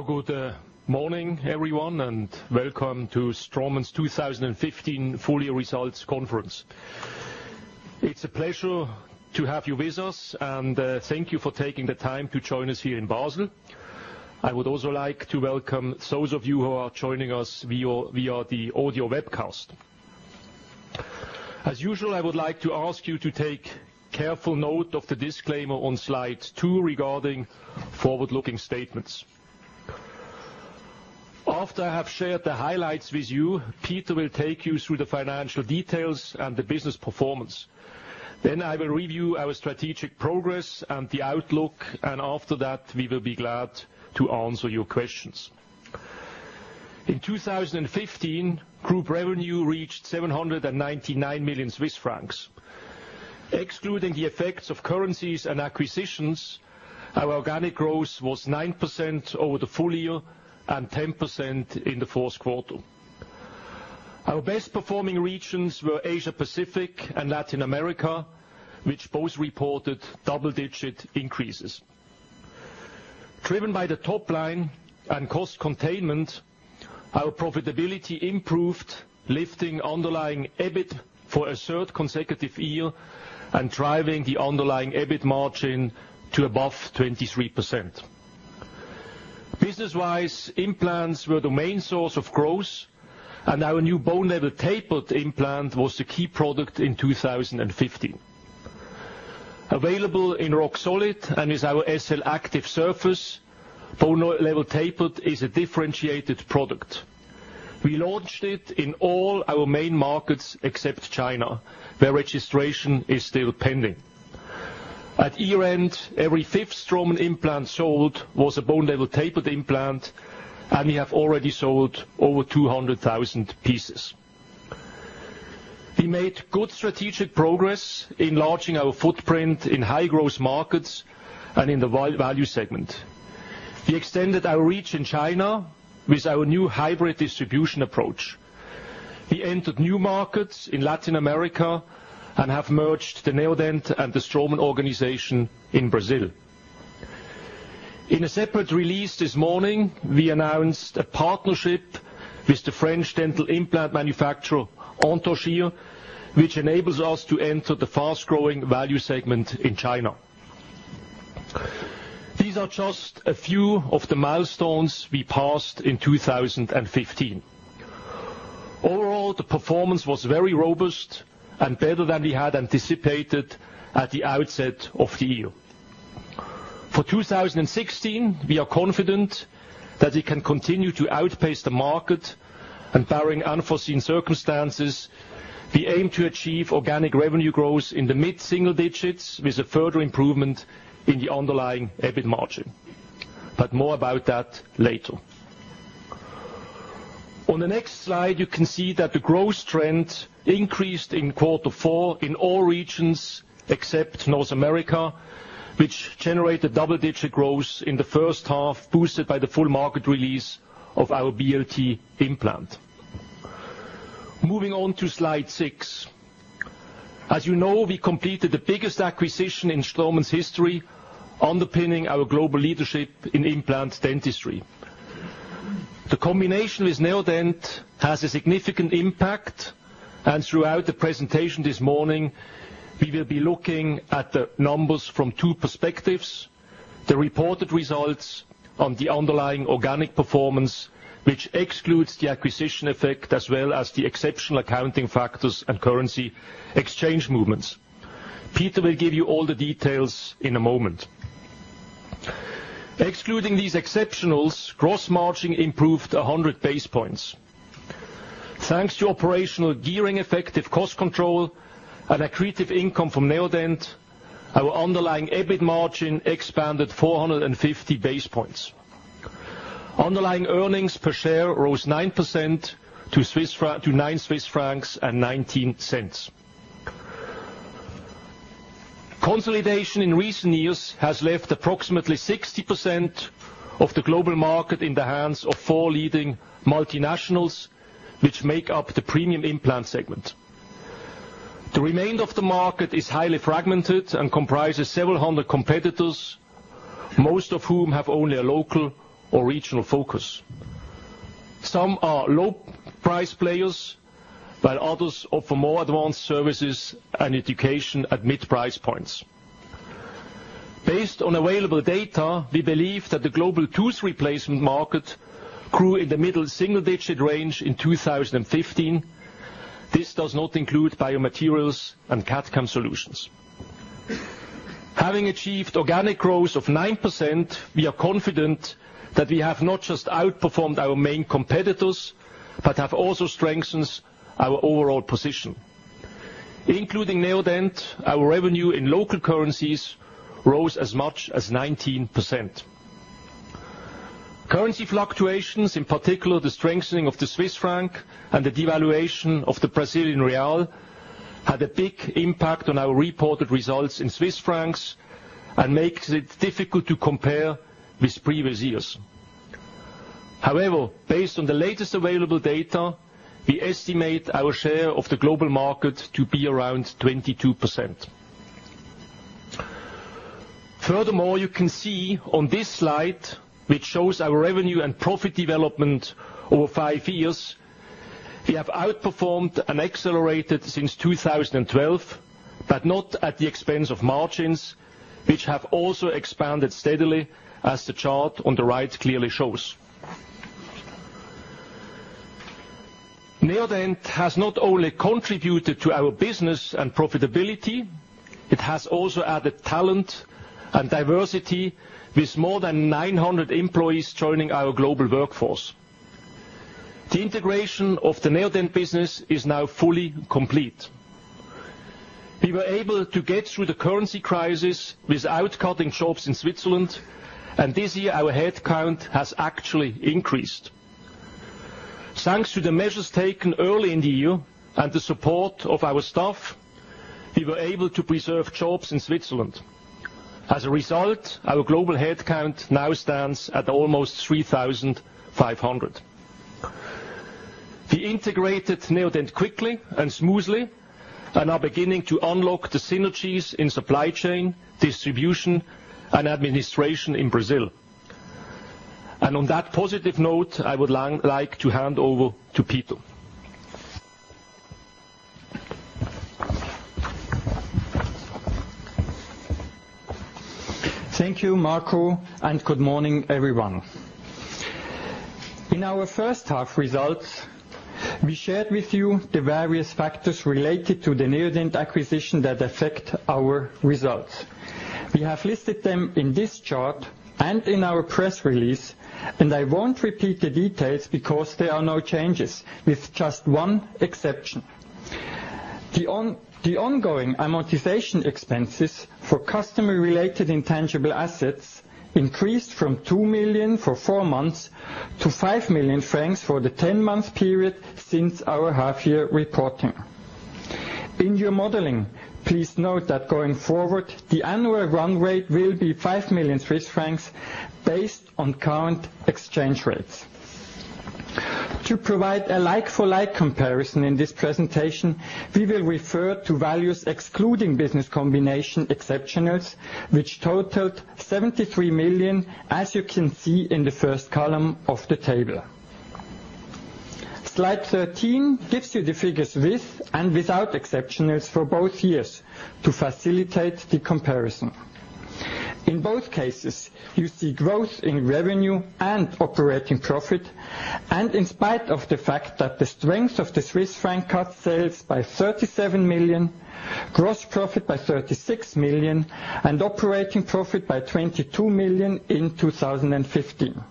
Good morning, everyone, and welcome to Straumann's 2015 full year results conference. It's a pleasure to have you with us, and thank you for taking the time to join us here in Basel. I would also like to welcome those of you who are joining us via the audio webcast. As usual, I would like to ask you to take careful note of the disclaimer on slide 2 regarding forward-looking statements. After I have shared the highlights with you, Peter will take you through the financial details and the business performance. Then I will review our strategic progress and the outlook, and after that, we will be glad to answer your questions. In 2015, group revenue reached 799 million Swiss francs. Excluding the effects of currencies and acquisitions, our organic growth was 9% over the full year and 10% in the fourth quarter. Our best-performing regions were Asia-Pacific and Latin America, which both reported double-digit increases. Driven by the top line and cost containment, our profitability improved, lifting underlying EBIT for a third consecutive year and driving the underlying EBIT margin to above 23%. Business-wise, implants were the main source of growth, and our new Bone Level Tapered implant was the key product in 2015. Available in Roxolid and is our SLActive surface, Bone Level Tapered is a differentiated product. We launched it in all our main markets except China, where registration is still pending. At year-end, every fifth Straumann implant sold was a Bone Level Tapered implant, and we have already sold over 200,000 pieces. We made good strategic progress enlarging our footprint in high-gross markets and in the wide value segment. We extended our reach in China with our new hybrid distribution approach. We entered new markets in Latin America and have merged the Neodent and the Straumann organization in Brazil. In a separate release this morning, we announced a partnership with the French dental implant manufacturer, Anthogyr, which enables us to enter the fast-growing value segment in China. These are just a few of the milestones we passed in 2015. Overall, the performance was very robust and better than we had anticipated at the outset of the year. For 2016, we are confident that we can continue to outpace the market, and barring unforeseen circumstances, we aim to achieve organic revenue growth in the mid-single digits with a further improvement in the underlying EBIT margin. More about that later. On the next slide, you can see that the growth trend increased in quarter four in all regions except North America, which generated double-digit growth in the first half, boosted by the full market release of our BLT implant. Moving on to slide six. As you know, we completed the biggest acquisition in Straumann's history, underpinning our global leadership in implant dentistry. The combination with Neodent has a significant impact, and throughout the presentation this morning, we will be looking at the numbers from two perspectives, the reported results on the underlying organic performance, which excludes the acquisition effect as well as the exceptional accounting factors and currency exchange movements. Peter will give you all the details in a moment. Excluding these exceptionals, gross margin improved 100 basis points. Thanks to operational gearing effective cost control and accretive income from Neodent, our underlying EBIT margin expanded 450 basis points. Underlying earnings per share rose 9% to 9.19 Swiss francs. Consolidation in recent years has left approximately 60% of the global market in the hands of four leading multinationals, which make up the premium implant segment. The remainder of the market is highly fragmented and comprises several hundred competitors, most of whom have only a local or regional focus. Some are low-price players, while others offer more advanced services and education at mid-price points. Based on available data, we believe that the global tooth replacement market grew in the middle single-digit range in 2015. This does not include biomaterials and CAD/CAM solutions. Having achieved organic growth of 9%, we are confident that we have not just outperformed our main competitors, but have also strengthened our overall position. Including Neodent, our revenue in local currencies rose as much as 19%. Currency fluctuations, in particular, the strengthening of the Swiss franc and the devaluation of the Brazilian real, had a big impact on our reported results in CHF and makes it difficult to compare with previous years. However, based on the latest available data, we estimate our share of the global market to be around 22%. Furthermore, you can see on this slide, which shows our revenue and profit development over five years, we have outperformed and accelerated since 2012, but not at the expense of margins, which have also expanded steadily as the chart on the right clearly shows. Neodent has not only contributed to our business and profitability, it has also added talent and diversity with more than 900 employees joining our global workforce. The integration of the Neodent business is now fully complete. We were able to get through the currency crisis without cutting jobs in Switzerland, this year our headcount has actually increased. Thanks to the measures taken early in the year and the support of our staff, we were able to preserve jobs in Switzerland. As a result, our global headcount now stands at almost 3,500. We integrated Neodent quickly and smoothly and are beginning to unlock the synergies in supply chain, distribution, and administration in Brazil. On that positive note, I would like to hand over to Peter. Thank you, Marco, good morning, everyone. In our first half results, we shared with you the various factors related to the Neodent acquisition that affect our results. We have listed them in this chart and in our press release, I won't repeat the details because there are no changes, with just one exception. The ongoing amortization expenses for customer-related intangible assets increased from 2 million for four months to 5 million francs for the 10-month period since our half-year reporting. In your modeling, please note that going forward, the annual run rate will be 5 million Swiss francs based on current exchange rates. To provide a like-for-like comparison in this presentation, we will refer to values excluding business combination exceptionals, which totaled 73 million, as you can see in the first column of the table. Slide 13 gives you the figures with and without exceptionals for both years to facilitate the comparison. In both cases, you see growth in revenue and operating profit, and in spite of the fact that the strength of the Swiss franc cut sales by 37 million, gross profit by 36 million, and operating profit by 22 million in 2015.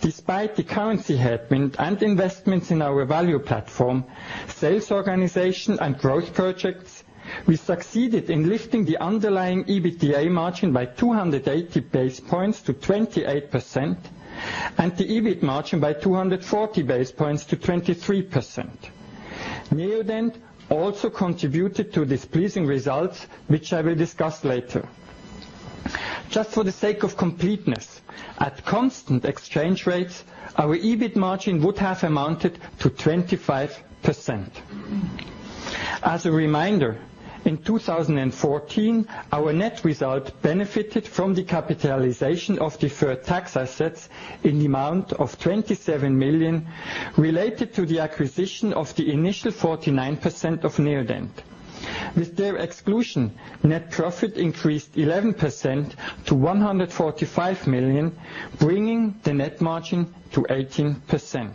Despite the currency headwind and investments in our value platform, sales organization, and growth projects, we succeeded in lifting the underlying EBITDA margin by 280 basis points to 28% and the EBIT margin by 240 basis points to 23%. Neodent also contributed to this pleasing result, which I will discuss later. Just for the sake of completeness, at constant exchange rates, our EBIT margin would have amounted to 25%. As a reminder, in 2014, our net result benefited from the capitalization of deferred tax assets in the amount of 27 million related to the acquisition of the initial 49% of Neodent. With their exclusion, net profit increased 11% to 145 million, bringing the net margin to 18%.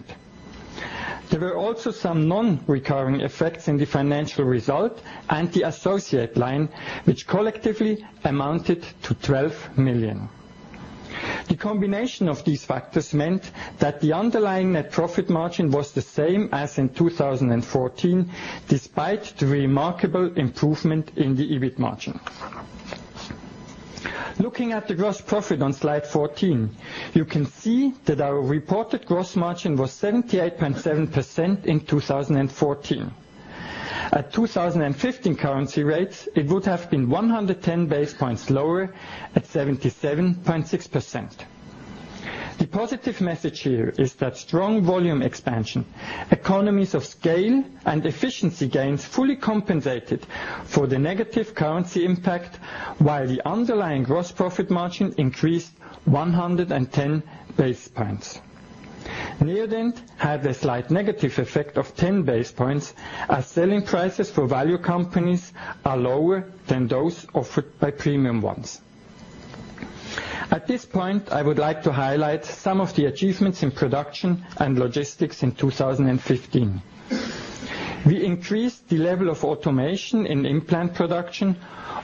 There were also some non-recurring effects in the financial result and the associate line, which collectively amounted to 12 million. The combination of these factors meant that the underlying net profit margin was the same as in 2014, despite the remarkable improvement in the EBIT margin. Looking at the gross profit on slide 14, you can see that our reported gross margin was 78.7% in 2014. At 2015 currency rates, it would have been 110 basis points lower at 77.6%. The positive message here is that strong volume expansion, economies of scale, and efficiency gains fully compensated for the negative currency impact while the underlying gross profit margin increased 110 basis points. Neodent had a slight negative effect of 10 basis points, as selling prices for value companies are lower than those offered by premium ones. At this point, I would like to highlight some of the achievements in production and logistics in 2015. We increased the level of automation in implant production,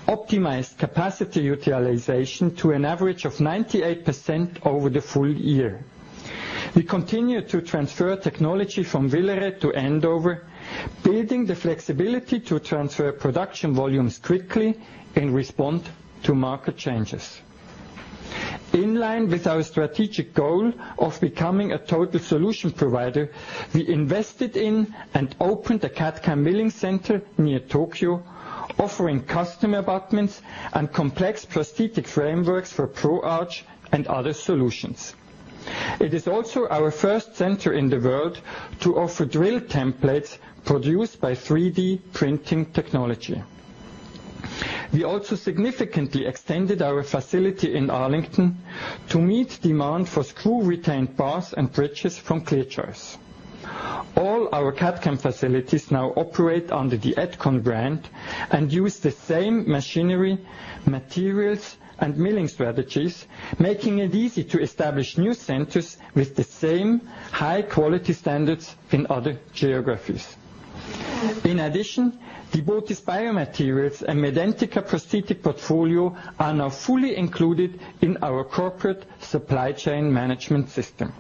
optimized capacity utilization to an average of 98% over the full year. We continued to transfer technology from Villars-sur-Glâne to Andover, building the flexibility to transfer production volumes quickly in response to market changes. In line with our strategic goal of becoming a total solution provider, we invested in and opened a CAD/CAM milling center near Tokyo, offering custom abutments and complex prosthetic frameworks for Pro Arch and other solutions. It is also our first center in the world to offer drill templates produced by 3D printing technology. We also significantly extended our facility in Arlington to meet demand for screw-retained bars and bridges from ClearChoice. All our CAD/CAM facilities now operate under the Etkon brand and use the same machinery, materials, and milling strategies, making it easy to establish new centers with the same high-quality standards in other geographies. In addition, the Botiss Biomaterials and Medentika prosthetic portfolio are now fully included in our corporate supply chain management system.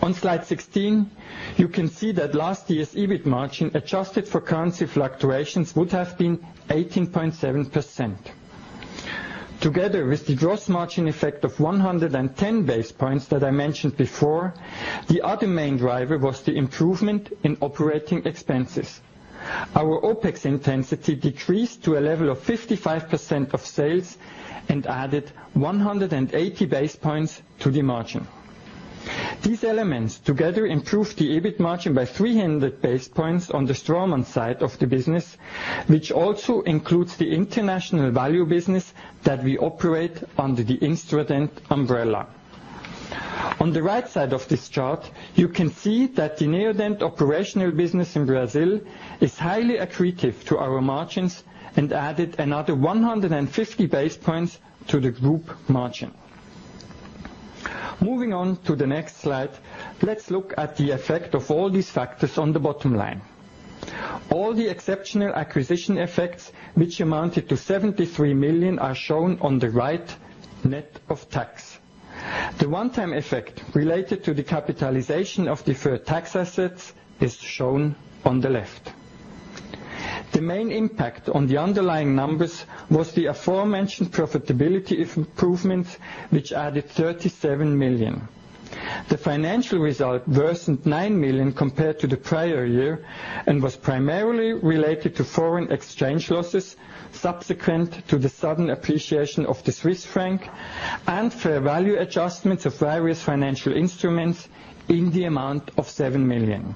On slide 16, you can see that last year's EBIT margin, adjusted for currency fluctuations, would have been 18.7%. Together with the gross margin effect of 110 basis points that I mentioned before, the other main driver was the improvement in operating expenses. Our OPEX intensity decreased to a level of 55% of sales and added 180 basis points to the margin. These elements together improved the EBIT margin by 300 basis points on the Straumann side of the business, which also includes the international value business that we operate under the Instradent umbrella. On the right side of this chart, you can see that the Neodent operational business in Brazil is highly accretive to our margins and added another 150 basis points to the group margin. Moving on to the next slide, let's look at the effect of all these factors on the bottom line. All the exceptional acquisition effects, which amounted to 73 million, are shown on the right net of tax. The one-time effect related to the capitalization of deferred tax assets is shown on the left. The main impact on the underlying numbers was the aforementioned profitability improvements, which added 37 million. The financial result worsened 9 million compared to the prior year and was primarily related to foreign exchange losses subsequent to the sudden appreciation of the Swiss franc and fair value adjustments of various financial instruments in the amount of 7 million.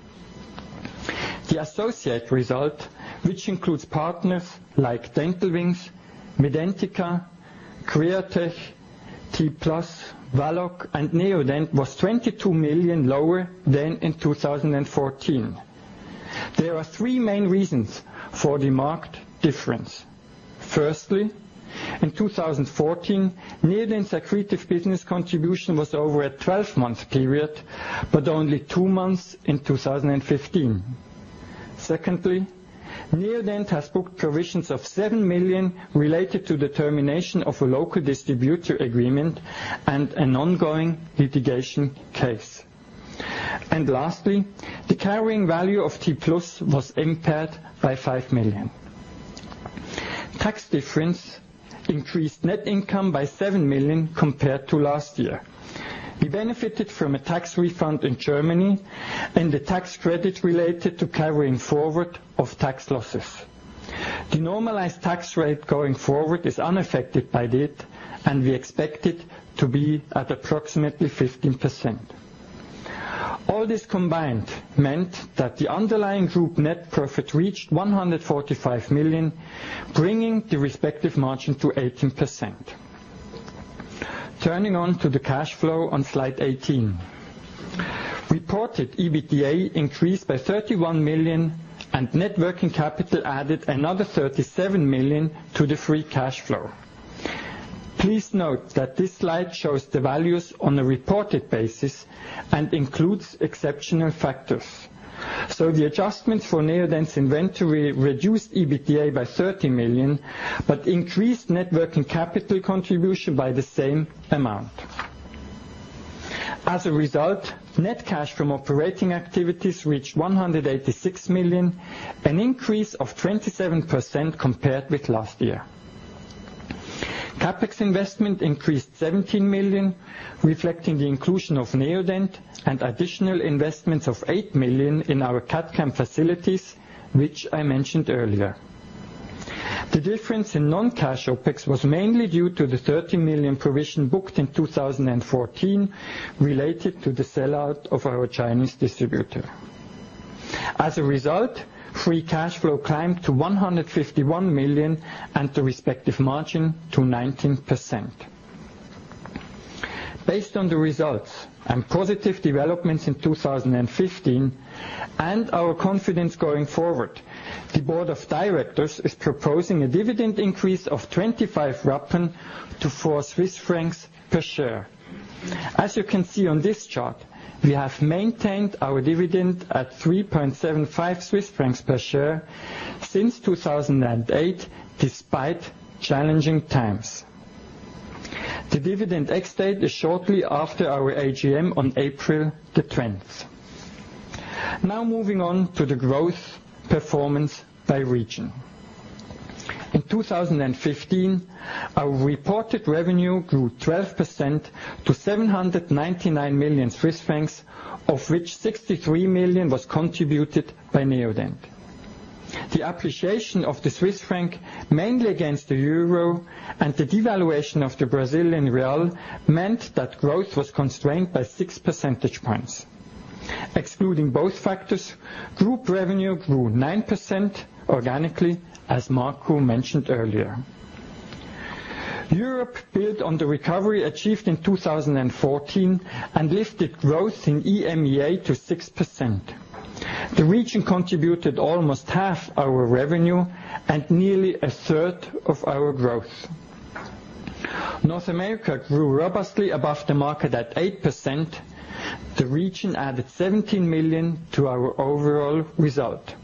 The associate result, which includes partners like Dental Wings, Medentika, Createch, T-Plus, Valoc, and Neodent, was 22 million lower than in 2014. There are three main reasons for the marked difference. Firstly, in 2014, Neodent's accretive business contribution was over a 12-month period, but only two months in 2015. Secondly, Neodent has booked provisions of 7 million related to the termination of a local distributor agreement and an ongoing litigation case. Lastly, the carrying value of T-Plus was impaired by 5 million. Tax difference increased net income by 7 million compared to last year. We benefited from a tax refund in Germany and the tax credit related to carrying forward of tax losses. The normalized tax rate going forward is unaffected by it, and we expect it to be at approximately 15%. All this combined meant that the underlying group net profit reached 145 million, bringing the respective margin to 18%. Turning on to the cash flow on slide 18. Reported EBITDA increased by 31 million and net working capital added another 37 million to the free cash flow. Please note that this slide shows the values on a reported basis and includes exceptional factors. The adjustments for Neodent's inventory reduced EBITDA by 30 million, but increased net working capital contribution by the same amount. As a result, net cash from operating activities reached 186 million, an increase of 27% compared with last year. CapEx investment increased 17 million, reflecting the inclusion of Neodent and additional investments of 8 million in our CAD/CAM facilities, which I mentioned earlier. The difference in non-cash OPEX was mainly due to the 13 million provision booked in 2014 related to the sellout of our Chinese distributor. As a result, free cash flow climbed to 151 million and the respective margin to 19%. Based on the results and positive developments in 2015 and our confidence going forward, the board of directors is proposing a dividend increase of 0.25 to 4.00 Swiss francs per share. As you can see on this chart, we have maintained our dividend at 3.75 Swiss francs per share since 2008, despite challenging times. The dividend ex-date is shortly after our AGM on April 20th. Now moving on to the growth performance by region. In 2015, our reported revenue grew 12% to 799 million Swiss francs, of which 63 million was contributed by Neodent. The appreciation of the Swiss franc, mainly against the EUR, and the devaluation of the Brazilian real, meant that growth was constrained by 6 percentage points. Excluding both factors, group revenue grew 9% organically, as Marco mentioned earlier. Europe built on the recovery achieved in 2014 and lifted growth in EMEA to 6%. The region contributed almost half our revenue and nearly a third of our growth. North America grew robustly above the market at 8%. The region added 17 million to our overall result.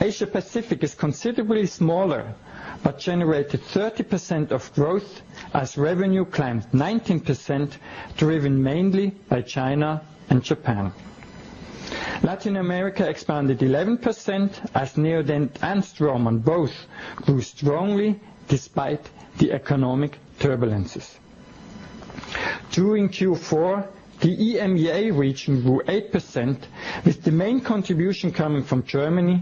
Asia-Pacific is considerably smaller, but generated 30% of growth as revenue climbed 19%, driven mainly by China and Japan. Latin America expanded 11% as Neodent and Straumann both grew strongly despite the economic turbulences. During Q4, the EMEA region grew 8%, with the main contribution coming from Germany,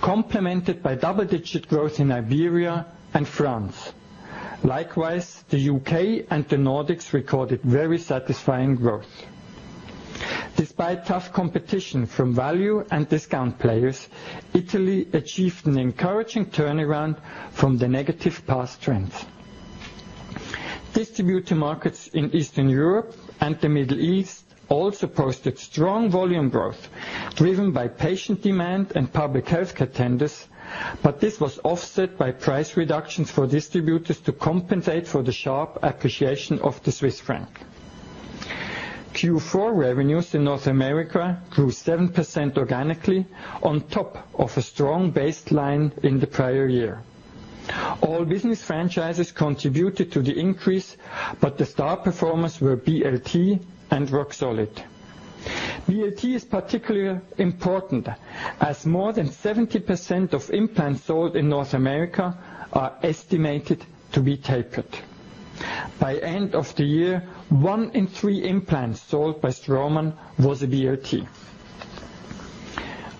complemented by double-digit growth in Iberia and France. Likewise, the U.K. and the Nordics recorded very satisfying growth. Despite tough competition from value and discount players, Italy achieved an encouraging turnaround from the negative past trends. Distributor markets in Eastern Europe and the Middle East also posted strong volume growth, driven by patient demand and public healthcare tenders, but this was offset by price reductions for distributors to compensate for the sharp appreciation of the Swiss franc. Q4 revenues in North America grew 7% organically on top of a strong baseline in the prior year. All business franchises contributed to the increase, but the star performers were BLT and Roxolid. BLT is particularly important, as more than 70% of implants sold in North America are estimated to be tapered. By end of the year, one in three implants sold by Straumann was a BLT.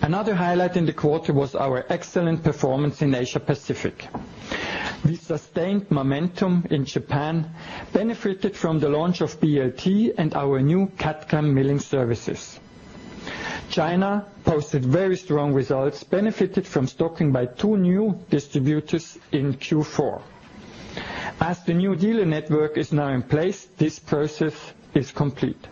Another highlight in the quarter was our excellent performance in Asia-Pacific. We sustained momentum in Japan, benefited from the launch of BLT and our new CAD/CAM milling services. China posted very strong results, benefited from stocking by two new distributors in Q4. As the new dealer network is now in place, this process is complete.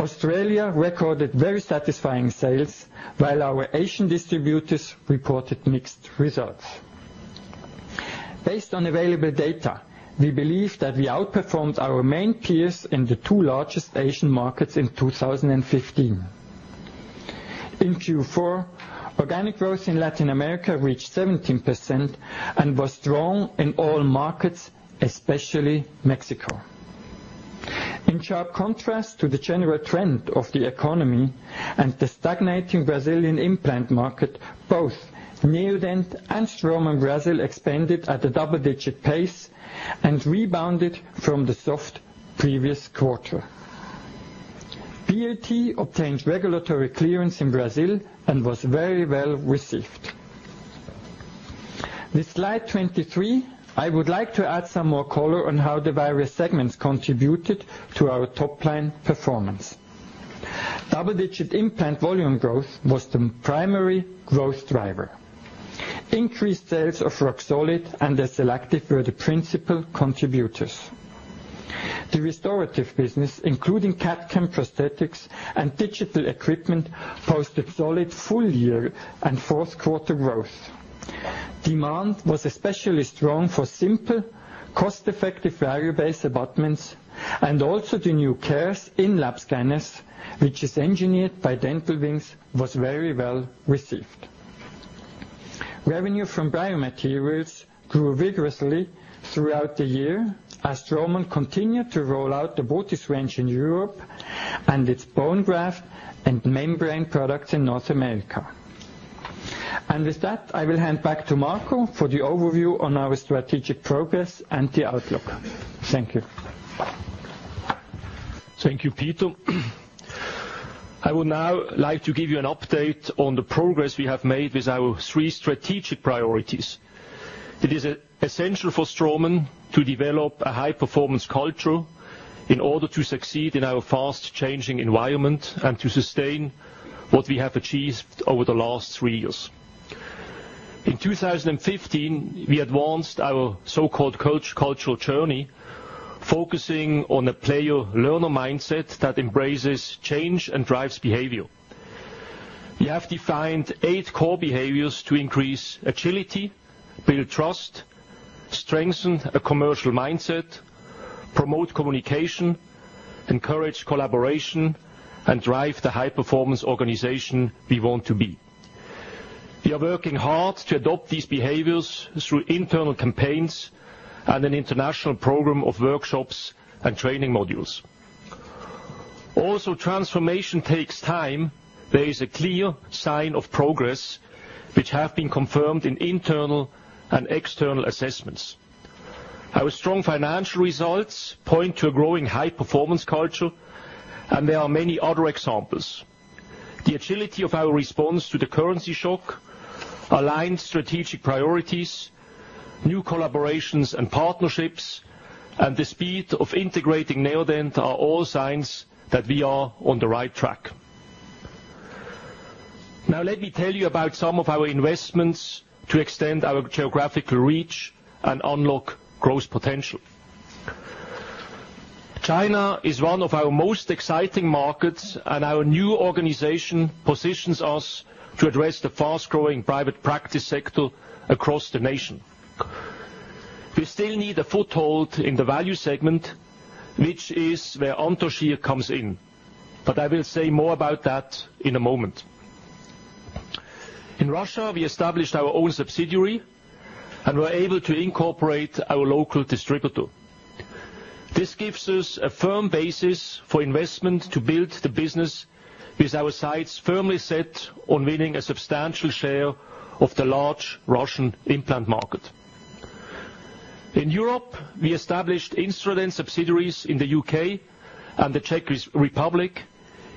Australia recorded very satisfying sales, while our Asian distributors reported mixed results. Based on available data, we believe that we outperformed our main peers in the two largest Asian markets in 2015. In Q4, organic growth in Latin America reached 17% and was strong in all markets, especially Mexico. In sharp contrast to the general trend of the economy and the stagnating Brazilian implant market, both Neodent and Straumann Brazil expanded at a double-digit pace and rebounded from the soft previous quarter. BLT obtained regulatory clearance in Brazil and was very well-received. With slide 23, I would like to add some more color on how the various segments contributed to our top-line performance. Double-digit implant volume growth was the primary growth driver. Increased sales of Roxolid and the SLActive were the principal contributors. The restorative business, including CAD/CAM prosthetics and digital equipment, posted solid full-year and fourth quarter growth. Demand was especially strong for simple, cost-effective value-based abutments and also the new CARES in-lab scanners, which is engineered by Dental Wings, was very well-received. Revenue from biomaterials grew vigorously throughout the year as Straumann continued to roll out the botiss range in Europe and its bone graft and membrane products in North America. With that, I will hand back to Marco for the overview on our strategic progress and the outlook. Thank you. Thank you, Peter. I would now like to give you an update on the progress we have made with our three strategic priorities. It is essential for Straumann to develop a high-performance culture in order to succeed in our fast-changing environment and to sustain what we have achieved over the last three years. In 2015, we advanced our so-called COACH cultural journey, focusing on a player-learner mindset that embraces change and drives behavior. We have defined eight core behaviors to increase agility, build trust, strengthen a commercial mindset, promote communication, encourage collaboration, and drive the high-performance organization we want to be. We are working hard to adopt these behaviors through internal campaigns and an international program of workshops and training modules. Transformation takes time. There is a clear sign of progress which have been confirmed in internal and external assessments. Our strong financial results point to a growing high-performance culture. There are many other examples. The agility of our response to the currency shock, aligned strategic priorities, new collaborations and partnerships, and the speed of integrating Neodent are all signs that we are on the right track. Let me tell you about some of our investments to extend our geographical reach and unlock growth potential. China is one of our most exciting markets. Our new organization positions us to address the fast-growing private practice sector across the nation. We still need a foothold in the value segment, which is where Anthogyr comes in. I will say more about that in a moment. In Russia, we established our own subsidiary and were able to incorporate our local distributor. This gives us a firm basis for investment to build the business with our sights firmly set on winning a substantial share of the large Russian implant market. Europe, we established Instradent subsidiaries in the U.K. and the Czech Republic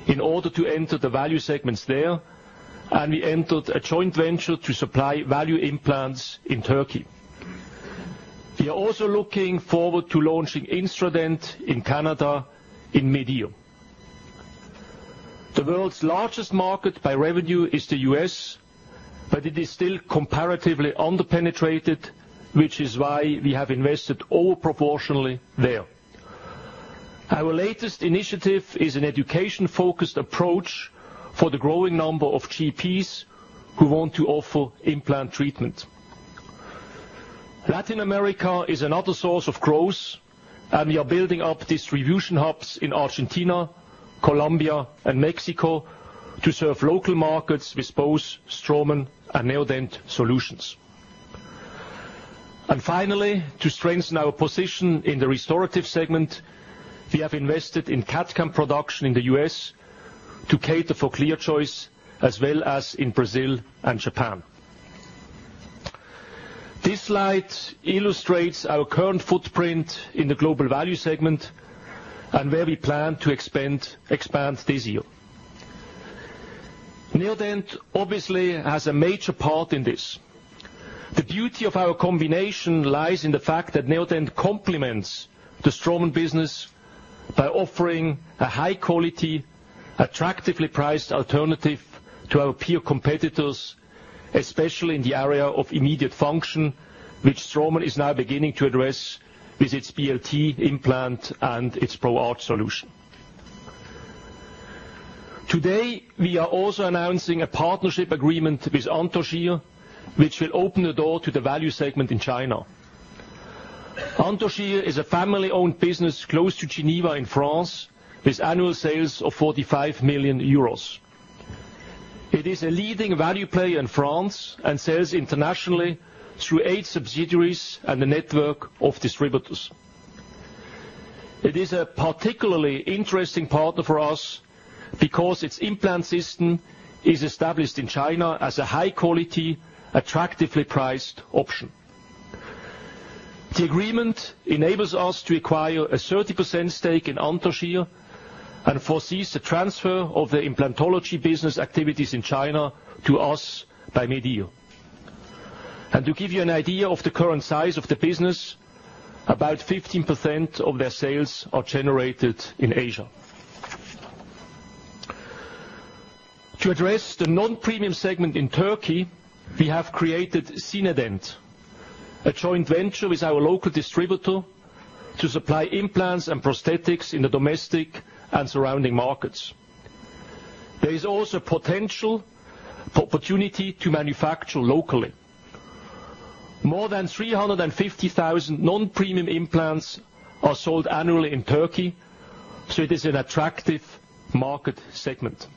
in order to enter the value segments there. We entered a joint venture to supply value implants in Turkey. We are also looking forward to launching Instradent in Canada in mid-year. World's largest market by revenue is the U.S. It is still comparatively under-penetrated, which is why we have invested over-proportionally there. Our latest initiative is an education-focused approach for the growing number of GPs who want to offer implant treatment. Latin America is another source of growth. We are building up distribution hubs in Argentina, Colombia, and Mexico to serve local markets with both Straumann and Neodent solutions. Finally, to strengthen our position in the restorative segment, we have invested in CAD/CAM production in the U.S. to cater for ClearChoice as well as in Brazil and Japan. This slide illustrates our current footprint in the global value segment and where we plan to expand this year. Neodent obviously has a major part in this. The beauty of our combination lies in the fact that Neodent complements the Straumann business by offering a high-quality, attractively priced alternative to our peer competitors, especially in the area of immediate function, which Straumann is now beginning to address with its BLT implant and its Pro Arch solution. Today, we are also announcing a partnership agreement with Anthogyr, which will open the door to the value segment in China. Anthogyr is a family-owned business close to Geneva in France, with annual sales of 45 million euros. It is a leading value player in France and sells internationally through 8 subsidiaries and a network of distributors. It is a particularly interesting partner for us because its implant system is established in China as a high-quality, attractively priced option. The agreement enables us to acquire a 30% stake in Anthogyr and foresees the transfer of the implantology business activities in China to us by mid-year. To give you an idea of the current size of the business, about 15% of their sales are generated in Asia. To address the non-premium segment in Turkey, we have created Zinedent, a joint venture with our local distributor to supply implants and prosthetics in the domestic and surrounding markets. There is also potential for opportunity to manufacture locally. More than 350,000 non-premium implants are sold annually in Turkey, so it is an attractive market segment.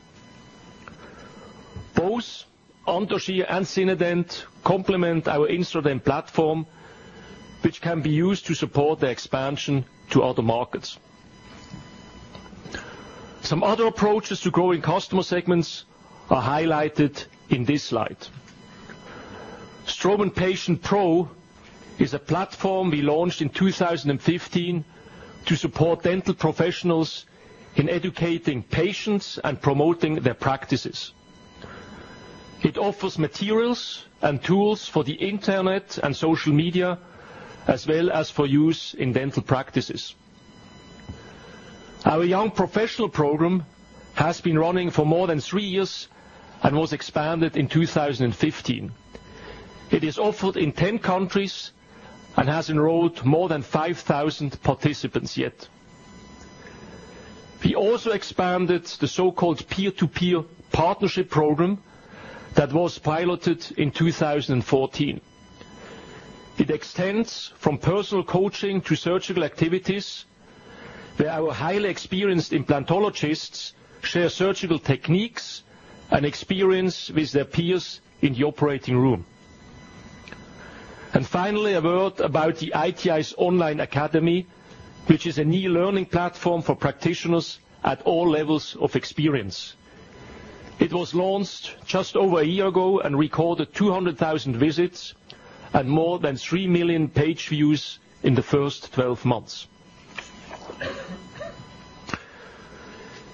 Both Anthogyr and Zinedent complement our Instradent platform, which can be used to support the expansion to other markets. Some other approaches to growing customer segments are highlighted in this slide. Straumann Patient Pro is a platform we launched in 2015 to support dental professionals in educating patients and promoting their practices. It offers materials and tools for the internet and social media, as well as for use in dental practices. Our Young Professional Program has been running for more than 3 years and was expanded in 2015. It is offered in 10 countries and has enrolled more than 5,000 participants yet. We also expanded the so-called Peer-to-Peer Partnership Program that was piloted in 2014. It extends from personal coaching to surgical activities, where our highly experienced implantologists share surgical techniques and experience with their peers in the operating room. Finally, a word about the ITI's Online Academy, which is a new learning platform for practitioners at all levels of experience. It was launched just over a year ago and recorded 200,000 visits and more than 3 million page views in the first 12 months.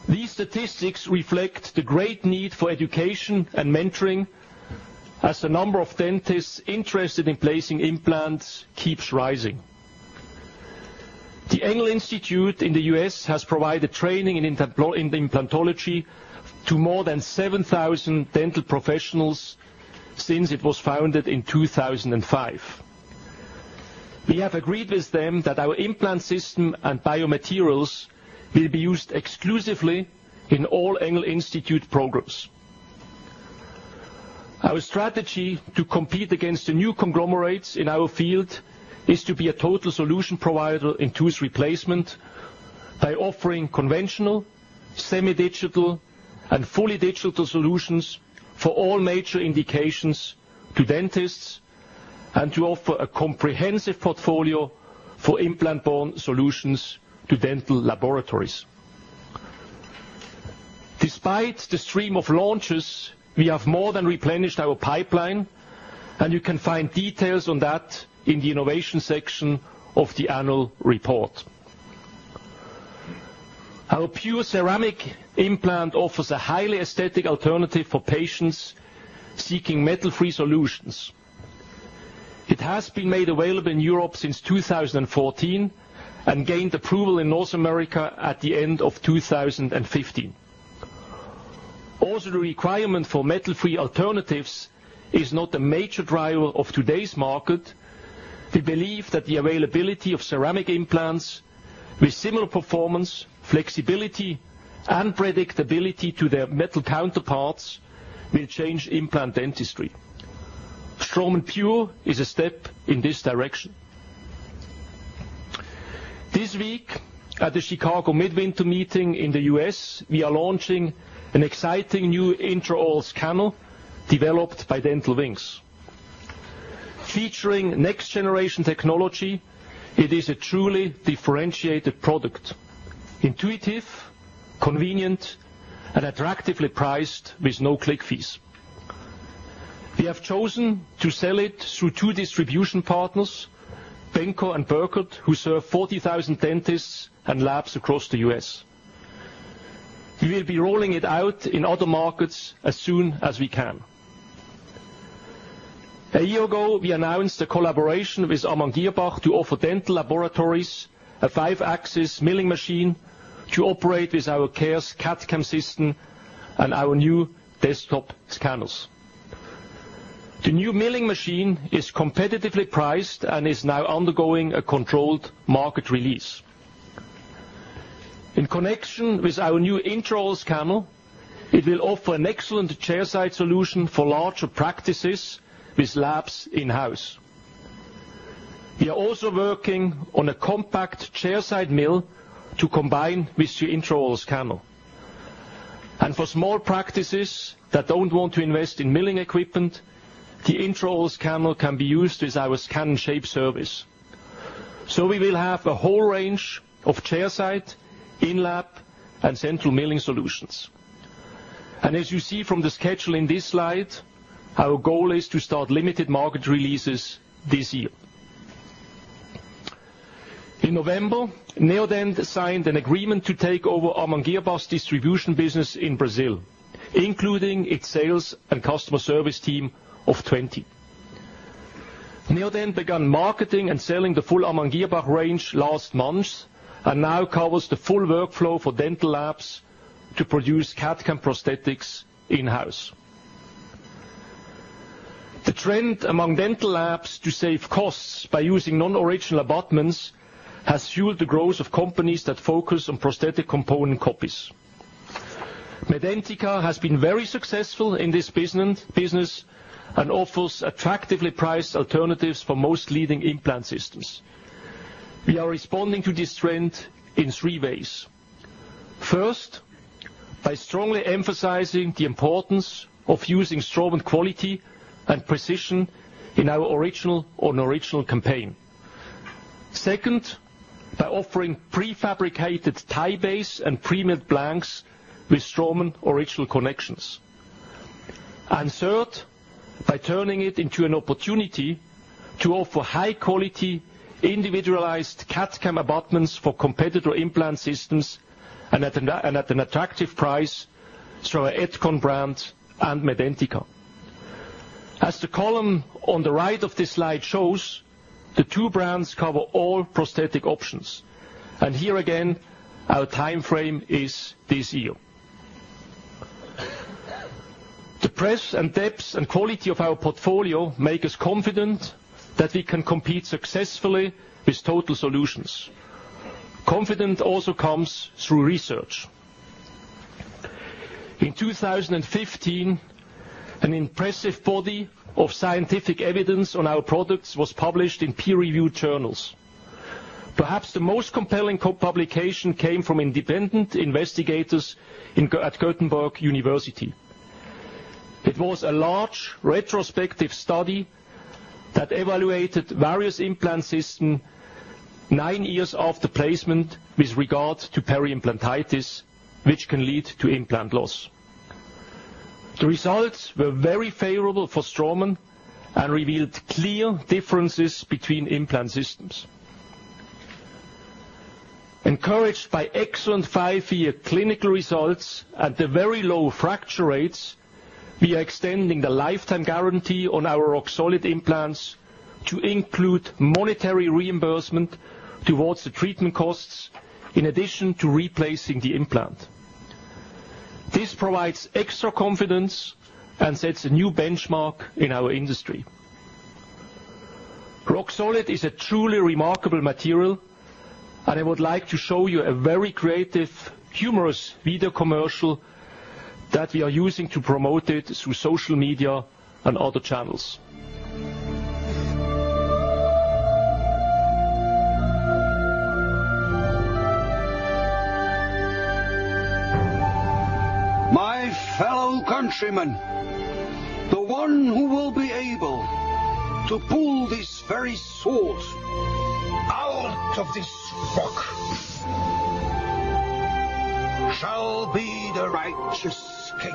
These statistics reflect the great need for education and mentoring as the number of dentists interested in placing implants keeps rising. The Engel Institute in the U.S. has provided training in implantology to more than 7,000 dental professionals since it was founded in 2005. We have agreed with them that our implant system and biomaterials will be used exclusively in all Engel Institute programs. Our strategy to compete against the new conglomerates in our field is to be a total solution provider in tooth replacement by offering conventional, semi-digital, and fully digital solutions for all major indications to dentists and to offer a comprehensive portfolio for implant-borne solutions to dental laboratories. Despite the stream of launches, we have more than replenished our pipeline, and you can find details on that in the innovation section of the annual report. Our PURE Ceramic Implant offers a highly aesthetic alternative for patients seeking metal-free solutions. It has been made available in Europe since 2014 and gained approval in North America at the end of 2015. Although the requirement for metal-free alternatives is not a major driver of today's market, we believe that the availability of ceramic implants with similar performance, flexibility, and predictability to their metal counterparts will change implant dentistry. Straumann PURE is a step in this direction. This week at the Chicago Midwinter Meeting in the U.S., we are launching an exciting new intraoral scanner developed by Dental Wings. Featuring next-generation technology, it is a truly differentiated product, intuitive, convenient, and attractively priced with no click fees. We have chosen to sell it through two distribution partners, Benco and Burkhart, who serve 40,000 dentists and labs across the U.S. We will be rolling it out in other markets as soon as we can. A year ago, we announced a collaboration with Amann Girrbach to offer dental laboratories a 5-axis milling machine to operate with our CARES CAD/CAM system and our new desktop scanners. The new milling machine is competitively priced and is now undergoing a controlled market release. In connection with our new intraoral scanner, it will offer an excellent chairside solution for larger practices with labs in-house. We are also working on a compact chairside mill to combine with the intraoral scanner. For small practices that don't want to invest in milling equipment, the intraoral scanner can be used with our Scan & Shape service. We will have a whole range of chairside, in-lab, and central milling solutions. As you see from the schedule in this slide, our goal is to start limited market releases this year. In November, Neodent signed an agreement to take over Amann Girrbach's distribution business in Brazil, including its sales and customer service team of 20. Neodent began marketing and selling the full Amann Girrbach range last month and now covers the full workflow for dental labs to produce CAD/CAM prosthetics in-house. The trend among dental labs to save costs by using non-original abutments has fueled the growth of companies that focus on prosthetic component copies. Medentika has been very successful in this business and offers attractively priced alternatives for most leading implant systems. We are responding to this trend in three ways. First, by strongly emphasizing the importance of using Straumann quality and precision in our Original on Original campaign. Second, by offering prefabricated TiBase and pre-milled blanks with Straumann original connections. Third, by turning it into an opportunity to offer high-quality, individualized CAD/CAM abutments for competitor implant systems and at an attractive price through our Etkon brand and Medentika. As the column on the right of this slide shows, the two brands cover all prosthetic options. Here again, our time frame is this year. The breadth and depth and quality of our portfolio make us confident that we can compete successfully with total solutions. Confidence also comes through research. In 2015, an impressive body of scientific evidence on our products was published in peer-reviewed journals. Perhaps the most compelling publication came from independent investigators at the University of Gothenburg. It was a large retrospective study that evaluated various implant systems nine years after placement with regard to peri-implantitis, which can lead to implant loss. The results were very favorable for Straumann and revealed clear differences between implant systems. Encouraged by excellent five-year clinical results and the very low fracture rates, we are extending the lifetime guarantee on our Roxolid implants to include monetary reimbursement towards the treatment costs, in addition to replacing the implant. This provides extra confidence and sets a new benchmark in our industry. Roxolid is a truly remarkable material. I would like to show you a very creative, humorous video commercial that we are using to promote it through social media and other channels. My fellow countrymen, the one who will be able to pull this very sword out of this rock shall be the righteous king.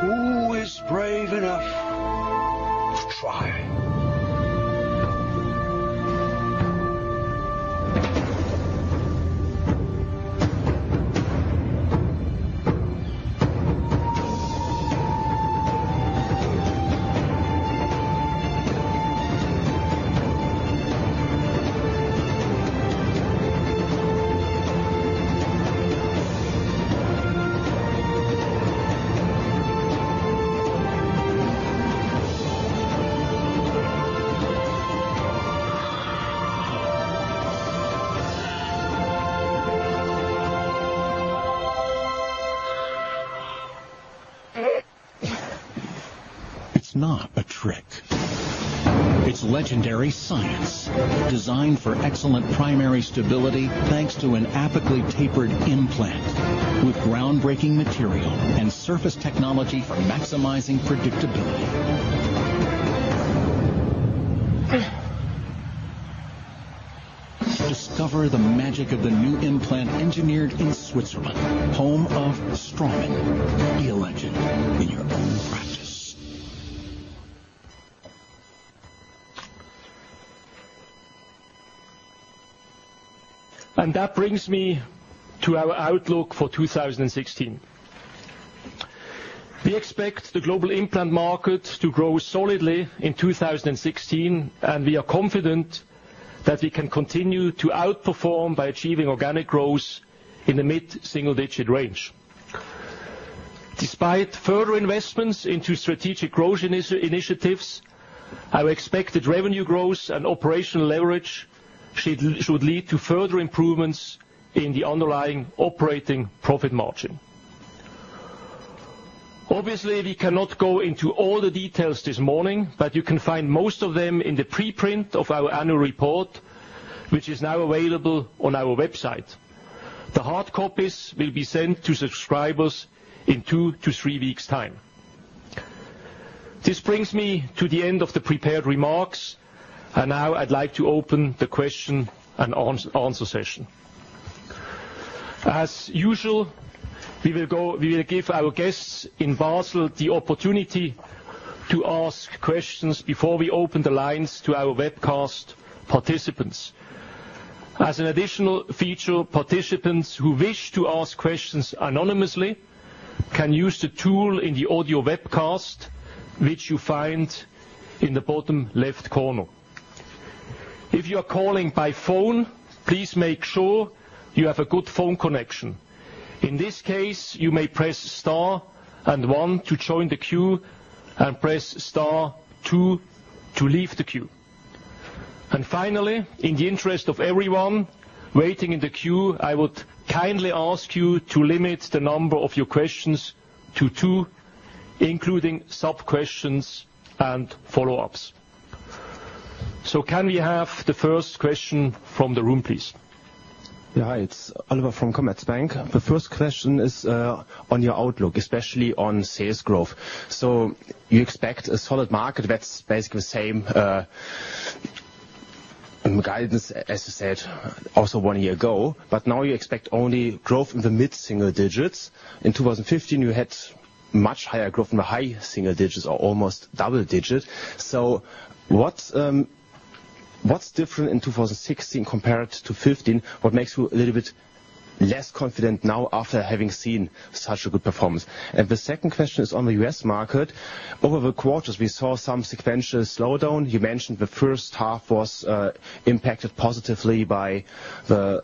Who is brave enough to try? It's not a trick. It's legendary science, designed for excellent primary stability, thanks to an apically tapered implant with groundbreaking material and surface technology for maximizing predictability. Discover the magic of the new implant engineered in Switzerland, home of Straumann. Be a legend in your own practice. That brings me to our outlook for 2016. We expect the global implant market to grow solidly in 2016, and we are confident that we can continue to outperform by achieving organic growth in the mid-single-digit range. Despite further investments into strategic growth initiatives, our expected revenue growth and operational leverage should lead to further improvements in the underlying operating profit margin. Obviously, we cannot go into all the details this morning, but you can find most of them in the preprint of our annual report, which is now available on our website. The hard copies will be sent to subscribers in two to three weeks' time. This brings me to the end of the prepared remarks, and now I'd like to open the question and answer session. As usual, we will give our guests in Basel the opportunity to ask questions before we open the lines to our webcast participants. As an additional feature, participants who wish to ask questions anonymously can use the tool in the audio webcast, which you find in the bottom left corner. If you are calling by phone, please make sure you have a good phone connection. In this case, you may press star and one to join the queue and press star two to leave the queue. Finally, in the interest of everyone waiting in the queue, I would kindly ask you to limit the number of your questions to two, including sub-questions and follow-ups. Can we have the first question from the room, please? It's Oliver from Commerzbank. The first question is on your outlook, especially on sales growth. You expect a solid market that's basically the same guidance as you said also one year ago, but now you expect only growth in the mid-single digits. In 2015, you had much higher growth in the high single digits or almost double digits. What's different in 2016 compared to 2015? What makes you a little bit less confident now after having seen such a good performance? The second question is on the U.S. market. Over the quarters, we saw some sequential slowdown. You mentioned the first half was impacted positively by the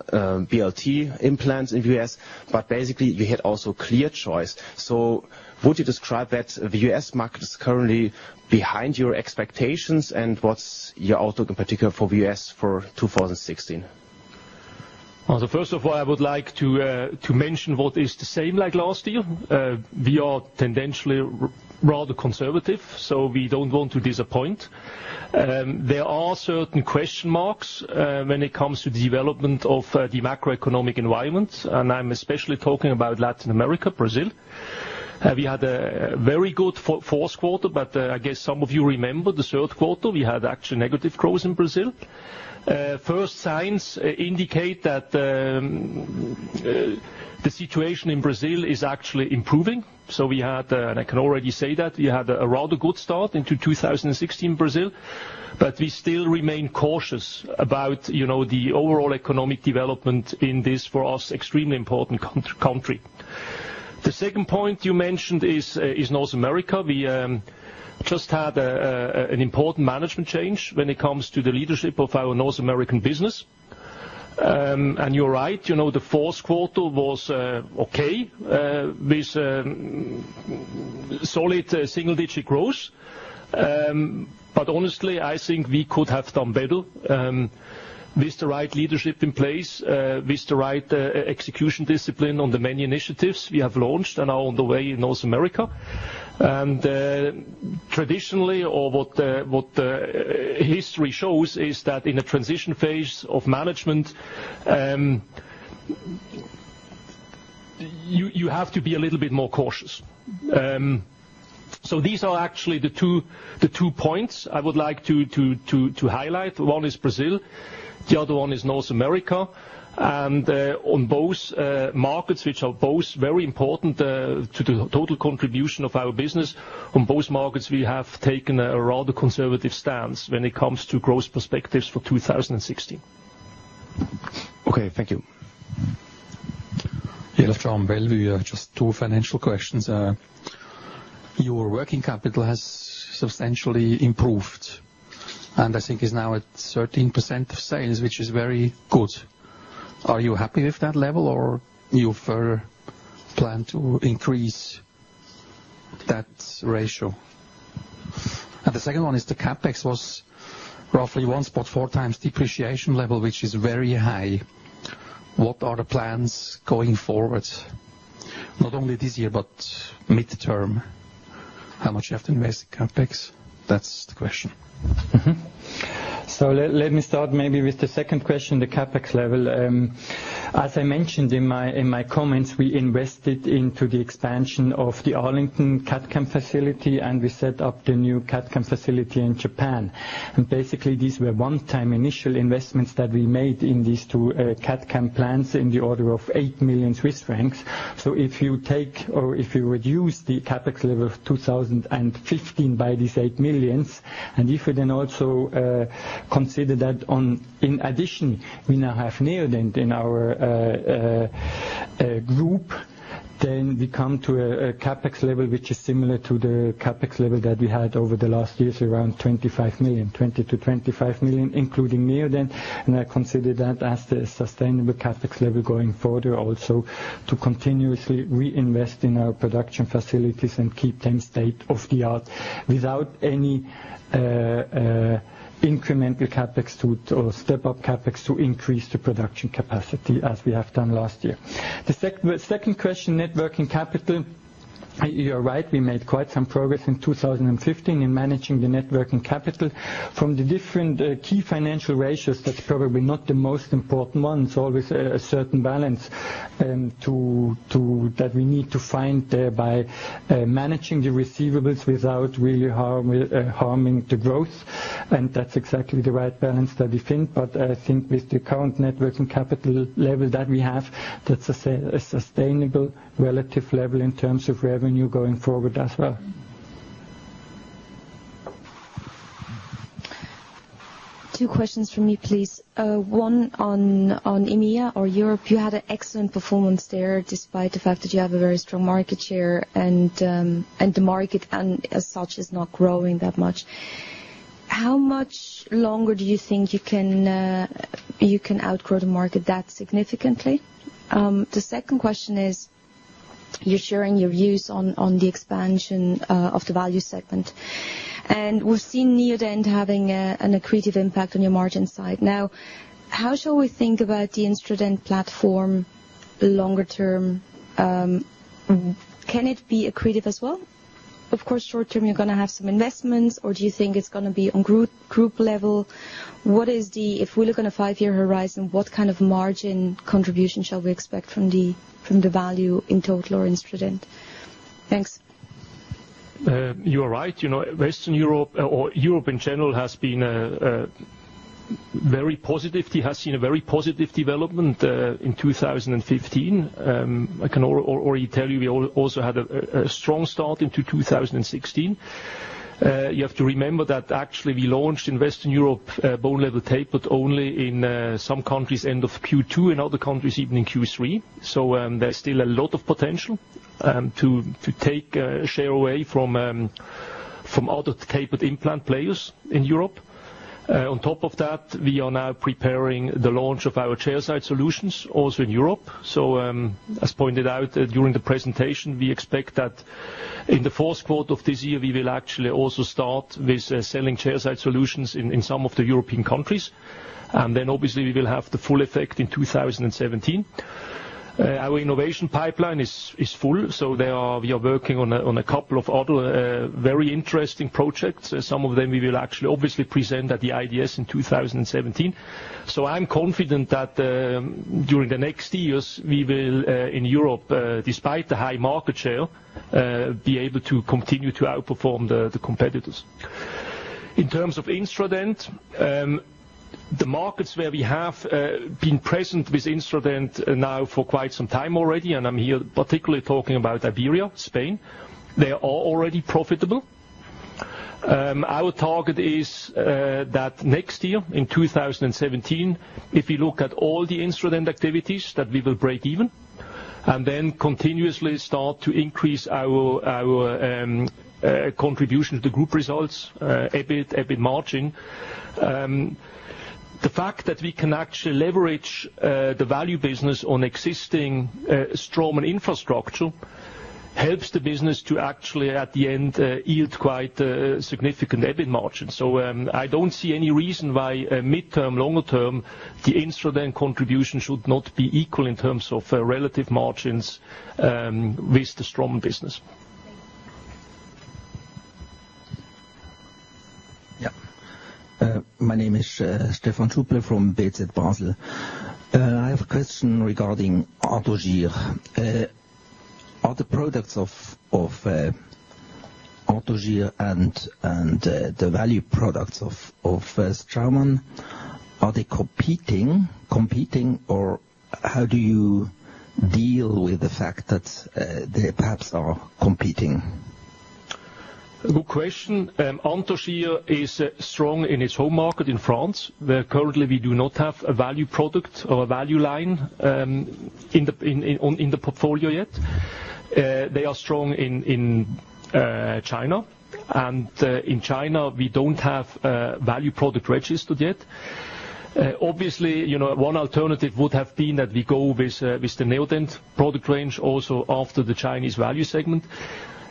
BLT implants in the U.S., but basically you had also ClearChoice. Would you describe that the U.S. market is currently behind your expectations, and what's your outlook in particular for the U.S. for 2016? First of all, I would like to mention what is the same like last year. We are tendentially rather conservative, we don't want to disappoint. There are certain question marks when it comes to the development of the macroeconomic environment, and I'm especially talking about Latin America, Brazil. We had a very good fourth quarter, but I guess some of you remember the third quarter, we had actually negative growth in Brazil. First signs indicate that the situation in Brazil is actually improving. We had, and I can already say that, we had a rather good start into 2016 Brazil, but we still remain cautious about the overall economic development in this, for us, extremely important country. The second point you mentioned is North America. We just had an important management change when it comes to the leadership of our North American business. You're right, the fourth quarter was okay with solid single-digit growth. Honestly, I think we could have done better with the right leadership in place, with the right execution discipline on the many initiatives we have launched and are on the way in North America. Traditionally, or what history shows, is that in a transition phase of management, you have to be a little bit more cautious. These are actually the two points I would like to highlight. One is Brazil, the other one is North America. On both markets, which are both very important to the total contribution of our business, on both markets, we have taken a rather conservative stance when it comes to growth perspectives for 2016. Okay. Thank you. [Stan] Beliveau. Just two financial questions. Your working capital has substantially improved, and I think is now at 13% of sales, which is very good. Are you happy with that level, or you further plan to increase that ratio? The second one is the CapEx was roughly 1.4 times depreciation level, which is very high. What are the plans going forward? Not only this year, but midterm, how much you have to invest in CapEx? That's the question. Let me start maybe with the second question, the CapEx level. As I mentioned in my comments, we invested into the expansion of the Arlington CAD/CAM facility, we set up the new CAD/CAM facility in Japan. Basically, these were one-time initial investments that we made in these two CAD/CAM plants in the order of 8 million Swiss francs. If you take, or if you reduce the CapEx level of 2015 by these 8 million, if you also consider that in addition, we now have Neodent in our group, we come to a CapEx level which is similar to the CapEx level that we had over the last years, around 25 million, 20 million-25 million, including Neodent, I consider that as the sustainable CapEx level going forward, also to continuously reinvest in our production facilities and keep them state-of-the-art without any incremental CapEx or step-up CapEx to increase the production capacity as we have done last year. The second question, net working capital. You are right, we made quite some progress in 2015 in managing the net working capital. From the different key financial ratios, that's probably not the most important one. It's always a certain balance that we need to find there by managing the receivables without really harming the growth, and that's exactly the right balance that we think. I think with the current net working capital level that we have, that's a sustainable relative level in terms of revenue going forward as well. Two questions from me, please. One on EMEA or Europe. You had an excellent performance there, despite the fact that you have a very strong market share and the market as such is not growing that much. How much longer do you think you can outgrow the market that significantly? The second question is, you're sharing your views on the expansion of the value segment. We've seen Neodent having an accretive impact on your margin side. How shall we think about the Instradent platform longer term? Can it be accretive as well? Of course, short term, you're going to have some investments, or do you think it's going to be on group level? If we look on a five-year horizon, what kind of margin contribution shall we expect from the value in total or Instradent? Thanks. You are right. Western Europe or Europe in general has seen a very positive development in 2015. I can already tell you we also had a strong start into 2016. You have to remember that actually we launched in Western Europe Bone Level Tapered, but only in some countries end of Q2, in other countries even in Q3. There's still a lot of potential to take a share away from other Tapered implant players in Europe. On top of that, we are now preparing the launch of our chairside solutions also in Europe. As pointed out during the presentation, we expect that in the fourth quarter of this year, we will actually also start with selling chairside solutions in some of the European countries. Then obviously, we will have the full effect in 2017. Our innovation pipeline is full, we are working on a couple of other very interesting projects. Some of them we will actually obviously present at the IDS in 2017. I'm confident that during the next years, we will, in Europe, despite the high market share, be able to continue to outperform the competitors. In terms of Instradent, the markets where we have been present with Instradent now for quite some time already, and I'm here particularly talking about Iberia, Spain, they are already profitable. Our target is that next year, in 2017, if you look at all the Instradent activities, that we will break even, and then continuously start to increase our contribution to the group results, EBIT margin. The fact that we can actually leverage the value business on existing Straumann infrastructure helps the business to actually, at the end, yield quite significant EBIT margin. I don't see any reason why mid-term, longer term, the Instradent contribution should not be equal in terms of relative margins with the Straumann business. My name is Stephan Schelo from bz Basel. I have a question regarding Anthogyr. Are the products of Anthogyr and the value products of Straumann, are they competing? How do you deal with the fact that they perhaps are competing? Good question. Anthogyr is strong in its home market in France, where currently we do not have a value product or a value line in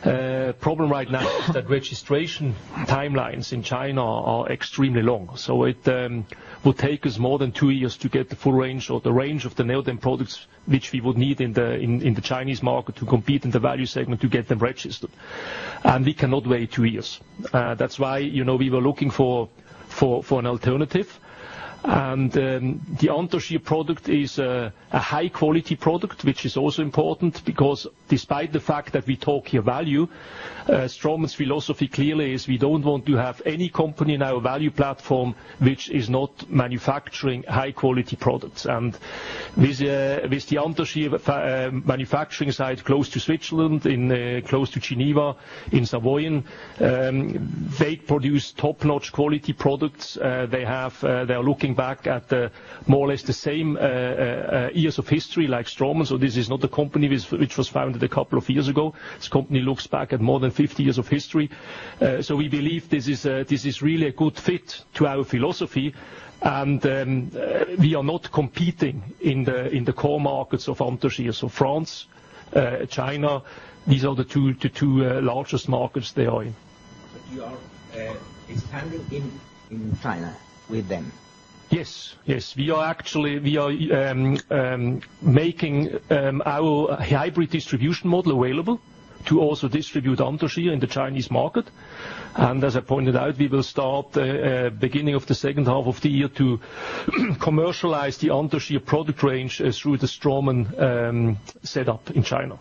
the portfolio yet. They are strong in China, and in China, we don't have value product registered yet. Obviously, one alternative would have been that we go with the Neodent product range also after the Chinese value segment. Problem right now is that registration timelines in China are extremely long. It will take us more than two years to get the full range or the range of the Neodent products which we would need in the Chinese market to compete in the value segment to get them registered. We cannot wait two years. That's why we were looking for an alternative. The Anthogyr product is a high-quality product, which is also important because despite the fact that we talk here value, Straumann's philosophy clearly is we don't want to have any company in our value platform which is not manufacturing high-quality products. With the Anthogyr manufacturing site close to Switzerland, close to Geneva in Savoie, they produce top-notch quality products. They are looking back at more or less the same years of history like Straumann. This is not a company which was founded a couple of years ago. This company looks back at more than 50 years of history. We believe this is really a good fit to our philosophy, and we are not competing in the core markets of Anthogyr. France, China, these are the two largest markets they are in. Are you expanding in China with them? Yes. We are making our hybrid distribution model available to also distribute Anthogyr in the Chinese market. As I pointed out, we will start the beginning of the second half of the year to commercialize the Anthogyr product range through the Straumann setup in China.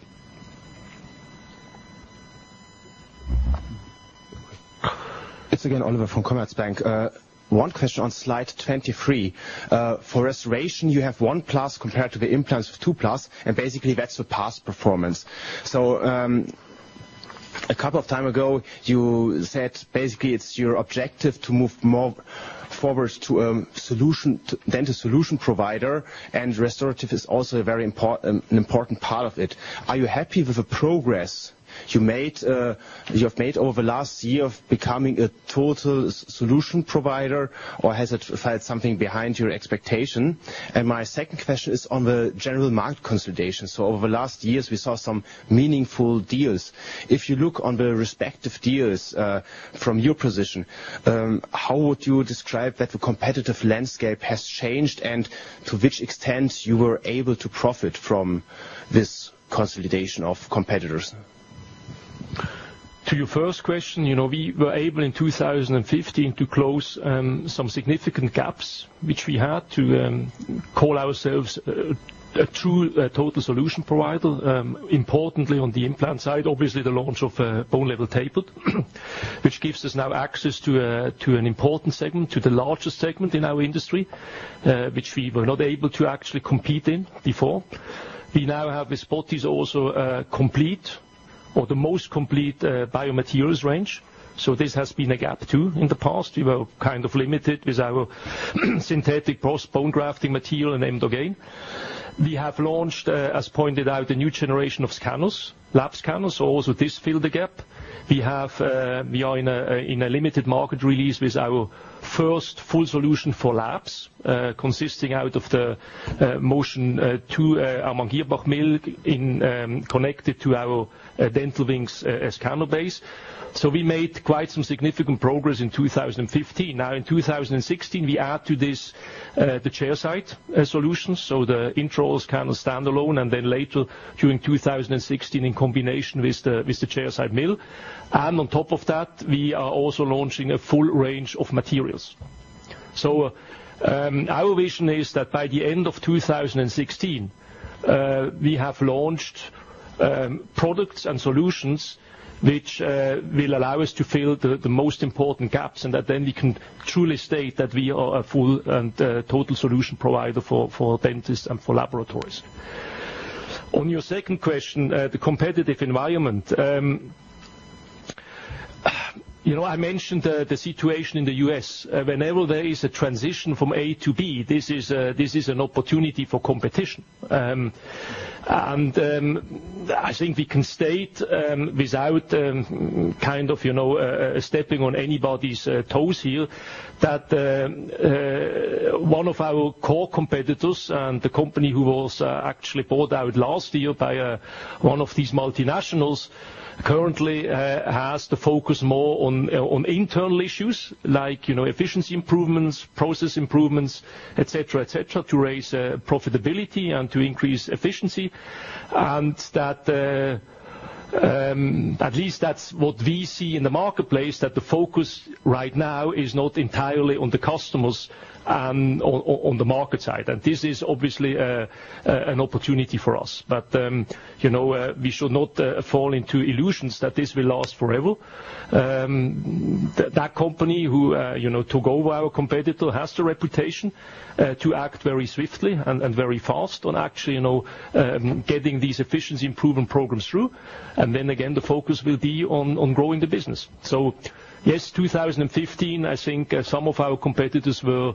It's again Oliver from Commerzbank. One question on slide 23. For restoration, you have one plus compared to the implants of two plus, basically that's the past performance. A couple of times ago, you said basically it's your objective to move more forward to a dental solution provider and restorative is also an important part of it. Are you happy with the progress you have made over the last year of becoming a total solution provider, or has it fell something behind your expectation? My second question is on the general market consolidation. Over the last years, we saw some meaningful deals. If you look on the respective deals, from your position, how would you describe that the competitive landscape has changed, and to which extent you were able to profit from this consolidation of competitors? To your first question, we were able in 2015 to close some significant gaps which we had to call ourselves a true total solution provider. Importantly, on the implant side, obviously the launch of Bone Level Tapered, which gives us now access to an important segment, to the largest segment in our industry, which we were not able to actually compete in before. We now have with Dentsply also a complete or the most complete biomaterials range. This has been a gap, too, in the past. We were kind of limited with our synthetic bone grafting material named Emdogain. We have launched, as pointed out, a new generation of scanners, lab scanners. Also this filled a gap. We are in a limited market release with our first full solution for labs, consisting out of the Motion 2 Amann Girrbach mill connected to our Dental Wings as scanner base. We made quite some significant progress in 2015. In 2016, we add to this the chairside solutions, the intraoral scanner standalone, and then later during 2016 in combination with the chairside mill. On top of that, we are also launching a full range of materials. Our vision is that by the end of 2016, we have launched products and solutions which will allow us to fill the most important gaps, and that then we can truly state that we are a full and total solution provider for dentists and for laboratories. On your second question, the competitive environment. I mentioned the situation in the U.S. Whenever there is a transition from A to B, this is an opportunity for competition. I think we can state, without stepping on anybody's toes here, that one of our core competitors and the company who was actually bought out last year by one of these multinationals, currently has to focus more on internal issues like efficiency improvements, process improvements, et cetera, to raise profitability and to increase efficiency. At least that's what we see in the marketplace, that the focus right now is not entirely on the customers and on the market side. This is obviously an opportunity for us. We should not fall into illusions that this will last forever. That company, who took over our competitor, has the reputation to act very swiftly and very fast on actually getting these efficiency improvement programs through. Then again, the focus will be on growing the business. Yes, 2015, I think some of our competitors were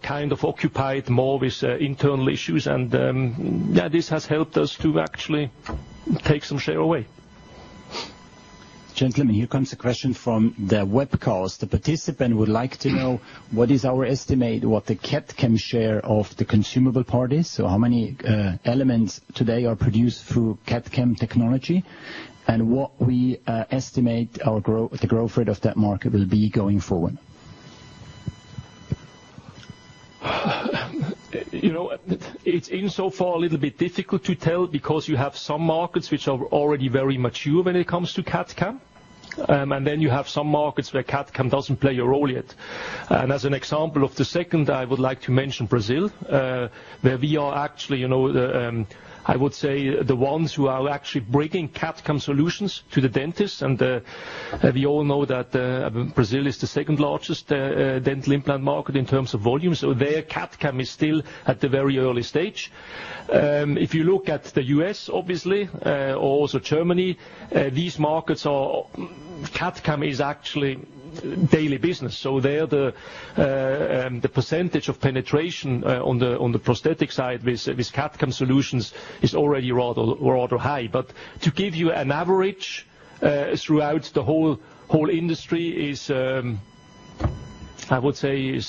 kind of occupied more with internal issues, and this has helped us to actually take some share away. Gentlemen, here comes a question from the web call. The participant would like to know what is our estimate, what the CAD/CAM share of the consumable part is, so how many elements today are produced through CAD/CAM technology, and what we estimate the growth rate of that market will be going forward. It's in so far a little bit difficult to tell, because you have some markets which are already very mature when it comes to CAD/CAM. You have some markets where CAD/CAM doesn't play a role yet. As an example of the second, I would like to mention Brazil, where we are actually, I would say the ones who are actually bringing CAD/CAM solutions to the dentist. We all know that Brazil is the second largest dental implant market in terms of volume. There, CAD/CAM is still at the very early stage. If you look at the U.S., obviously, also Germany, these markets are. CAD/CAM is actually daily business. There, the percentage of penetration on the prosthetic side with CAD/CAM solutions is already rather high. To give you an average throughout the whole industry is, I would say,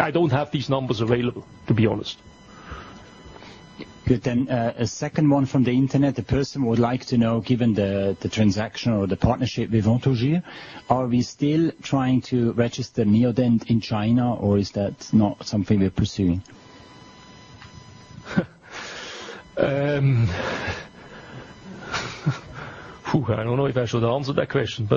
I don't have these numbers available, to be honest. Good. A second one from the internet. The person would like to know, given the transaction or the partnership with Anthogyr, are we still trying to register Neodent in China or is that not something we're pursuing? I don't know if I should answer that question,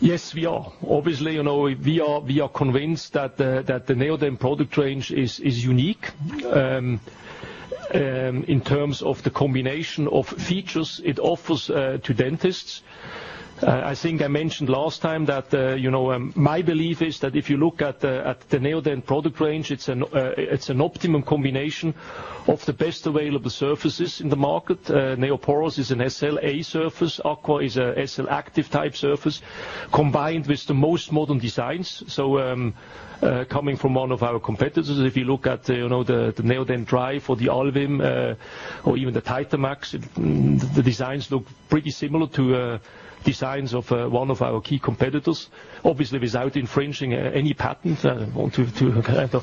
yes, we are. Obviously, we are convinced that the Neodent product range is unique in terms of the combination of features it offers to dentists. I think I mentioned last time that my belief is that if you look at the Neodent product range, it's an optimum combination of the best available surfaces in the market. NeoPoros is an SLA surface. Acqua is a SLActive type surface, combined with the most modern designs. Coming from one of our competitors, if you look at the Neodent Drive or the Alvim, or even the Titamax, the designs look pretty similar to designs of one of our key competitors, obviously without infringing any patent. I want to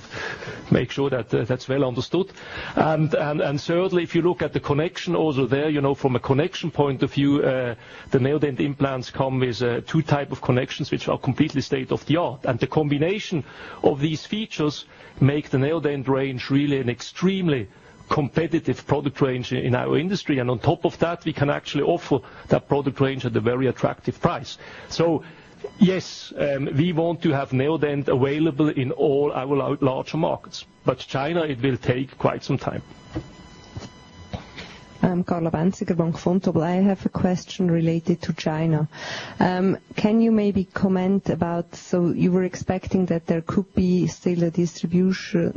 make sure that that's well understood. Thirdly, if you look at the connection, also there, from a connection point of view, the Neodent implants come with two types of connections, which are completely state-of-the-art. The combination of these features make the Neodent range really an extremely competitive product range in our industry. On top of that, we can actually offer that product range at a very attractive price. Yes, we want to have Neodent available in all our larger markets. China, it will take quite some time. I'm Carla Bänziger, Vontobel. I have a question related to China. Can you maybe comment about, you were expecting that there could be still a distributor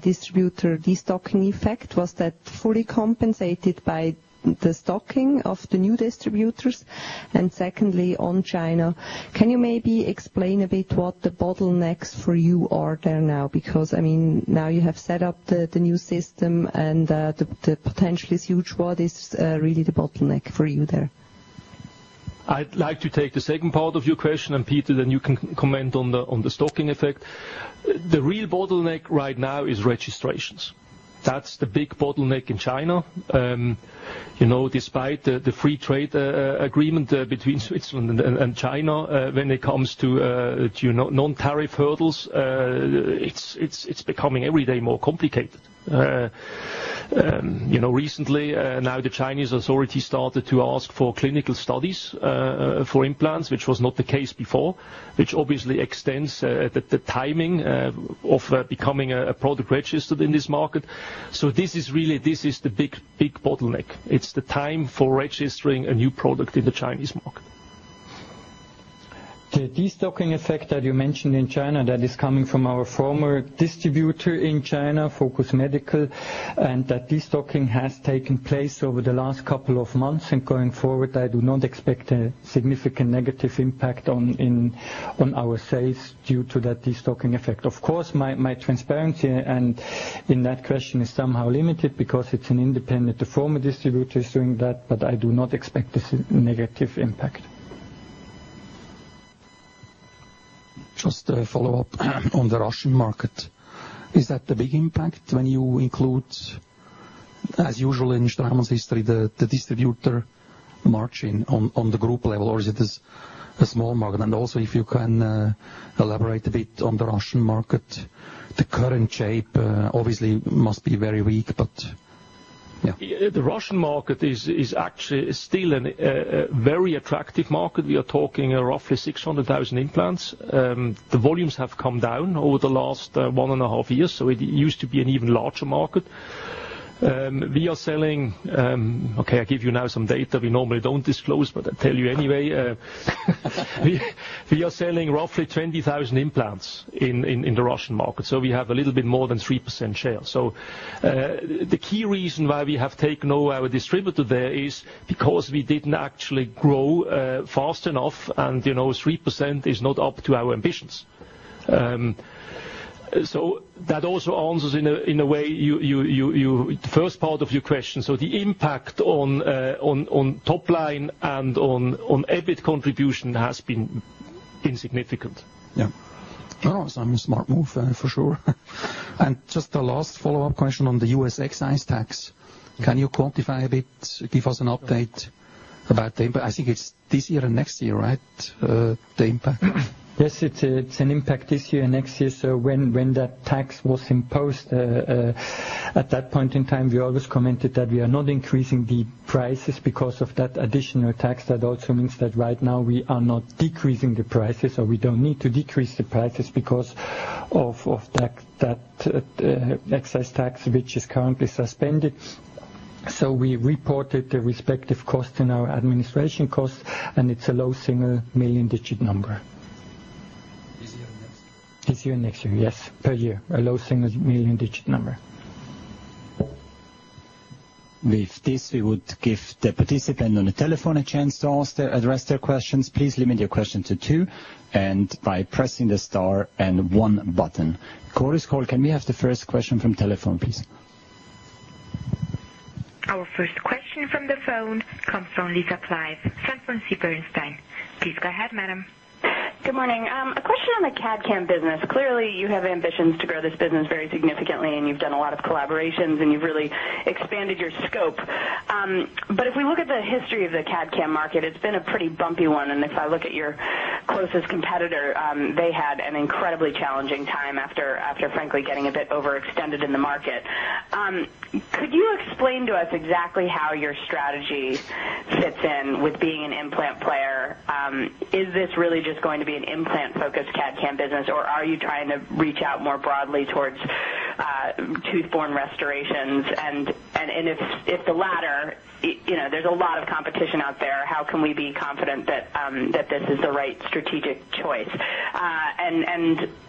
destocking effect. Was that fully compensated by the stocking of the new distributors? Secondly, on China, can you maybe explain a bit what the bottlenecks for you are there now? Because now you have set up the new system and the potential is huge. What is really the bottleneck for you there? I'd like to take the second part of your question, Peter, you can comment on the stocking effect. The real bottleneck right now is registrations. That's the big bottleneck in China. Despite the free trade agreement between Switzerland and China, when it comes to non-tariff hurdles, it's becoming every day more complicated. Yeah Recently, the Chinese authorities started to ask for clinical studies for implants, which was not the case before, which obviously extends the timing of becoming a product registered in this market. This is the big bottleneck. It's the time for registering a new product in the Chinese market. The de-stocking effect that you mentioned in China, that is coming from our former distributor in China, Focus Medical, and that de-stocking has taken place over the last couple of months. Going forward, I do not expect a significant negative impact on our sales due to that de-stocking effect. Of course, my transparency in that question is somehow limited because it's an independent, the former distributor is doing that, I do not expect this negative impact. A follow-up on the Russian market. Is that a big impact when you include, as usual in Straumann's history, the distributor margin on the group level? Is it a small margin? If you can elaborate a bit on the Russian market, the current shape obviously must be very weak. The Russian market is actually still a very attractive market. We are talking roughly 600,000 implants. The volumes have come down over the last one and a half years, it used to be an even larger market. We are selling, okay, I give you now some data we normally don't disclose, I tell you anyway. We are selling roughly 20,000 implants in the Russian market, we have a little bit more than 3% share. The key reason why we have taken our distributor there is because we didn't actually grow fast enough, 3% is not up to our ambitions. That also answers, in a way, the first part of your question. The impact on top line and on EBIT contribution has been insignificant. A smart move, for sure. A last follow-up question on the U.S. excise tax. Can you quantify a bit, give us an update about the, I think it's this year and next year, right, the impact? Yes, it's an impact this year and next year. When that tax was imposed, at that point in time, we always commented that we are not increasing the prices because of that additional tax. That also means that right now we are not decreasing the prices, or we don't need to decrease the prices because of that excise tax, which is currently suspended. We reported the respective cost in our administration costs, and it's a low single million-digit number. This year and next year? This year and next year, yes. Per year. A low single million-digit number. With this, we would give the participant on the telephone a chance to address their questions. Please limit your question to two, and by pressing the star and one button. Chorus Call, can we have the first question from telephone, please? Our first question from the phone comes from Lisa Clive, Sanford Bernstein. Please go ahead, madam. Good morning. A question on the CAD/CAM business. Clearly, you have ambitions to grow this business very significantly, you've done a lot of collaborations, and you've really expanded your scope. If we look at the history of the CAD/CAM market, it's been a pretty bumpy one. If I look at your closest competitor, they had an incredibly challenging time after, frankly, getting a bit overextended in the market. Could you explain to us exactly how your strategy fits in with being an implant player? Is this really just going to be an implant-focused CAD/CAM business, or are you trying to reach out more broadly towards tooth-borne restorations? If the latter, there's a lot of competition out there. How can we be confident that this is the right strategic choice?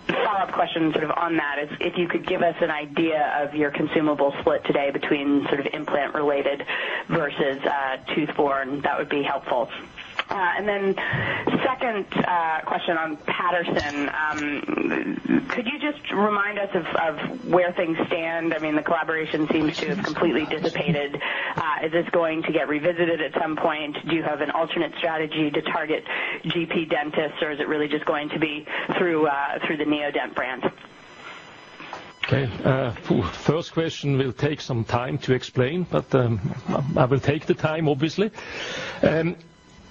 Follow-up question on that is, if you could give us an idea of your consumable split today between implant-related versus tooth-borne, that would be helpful. Second question on Patterson. Could you just remind us of where things stand? The collaboration seems to have completely dissipated. Is this going to get revisited at some point? Do you have an alternate strategy to target GP dentists, or is it really just going to be through the Neodent brand? Okay. First question will take some time to explain, I will take the time, obviously.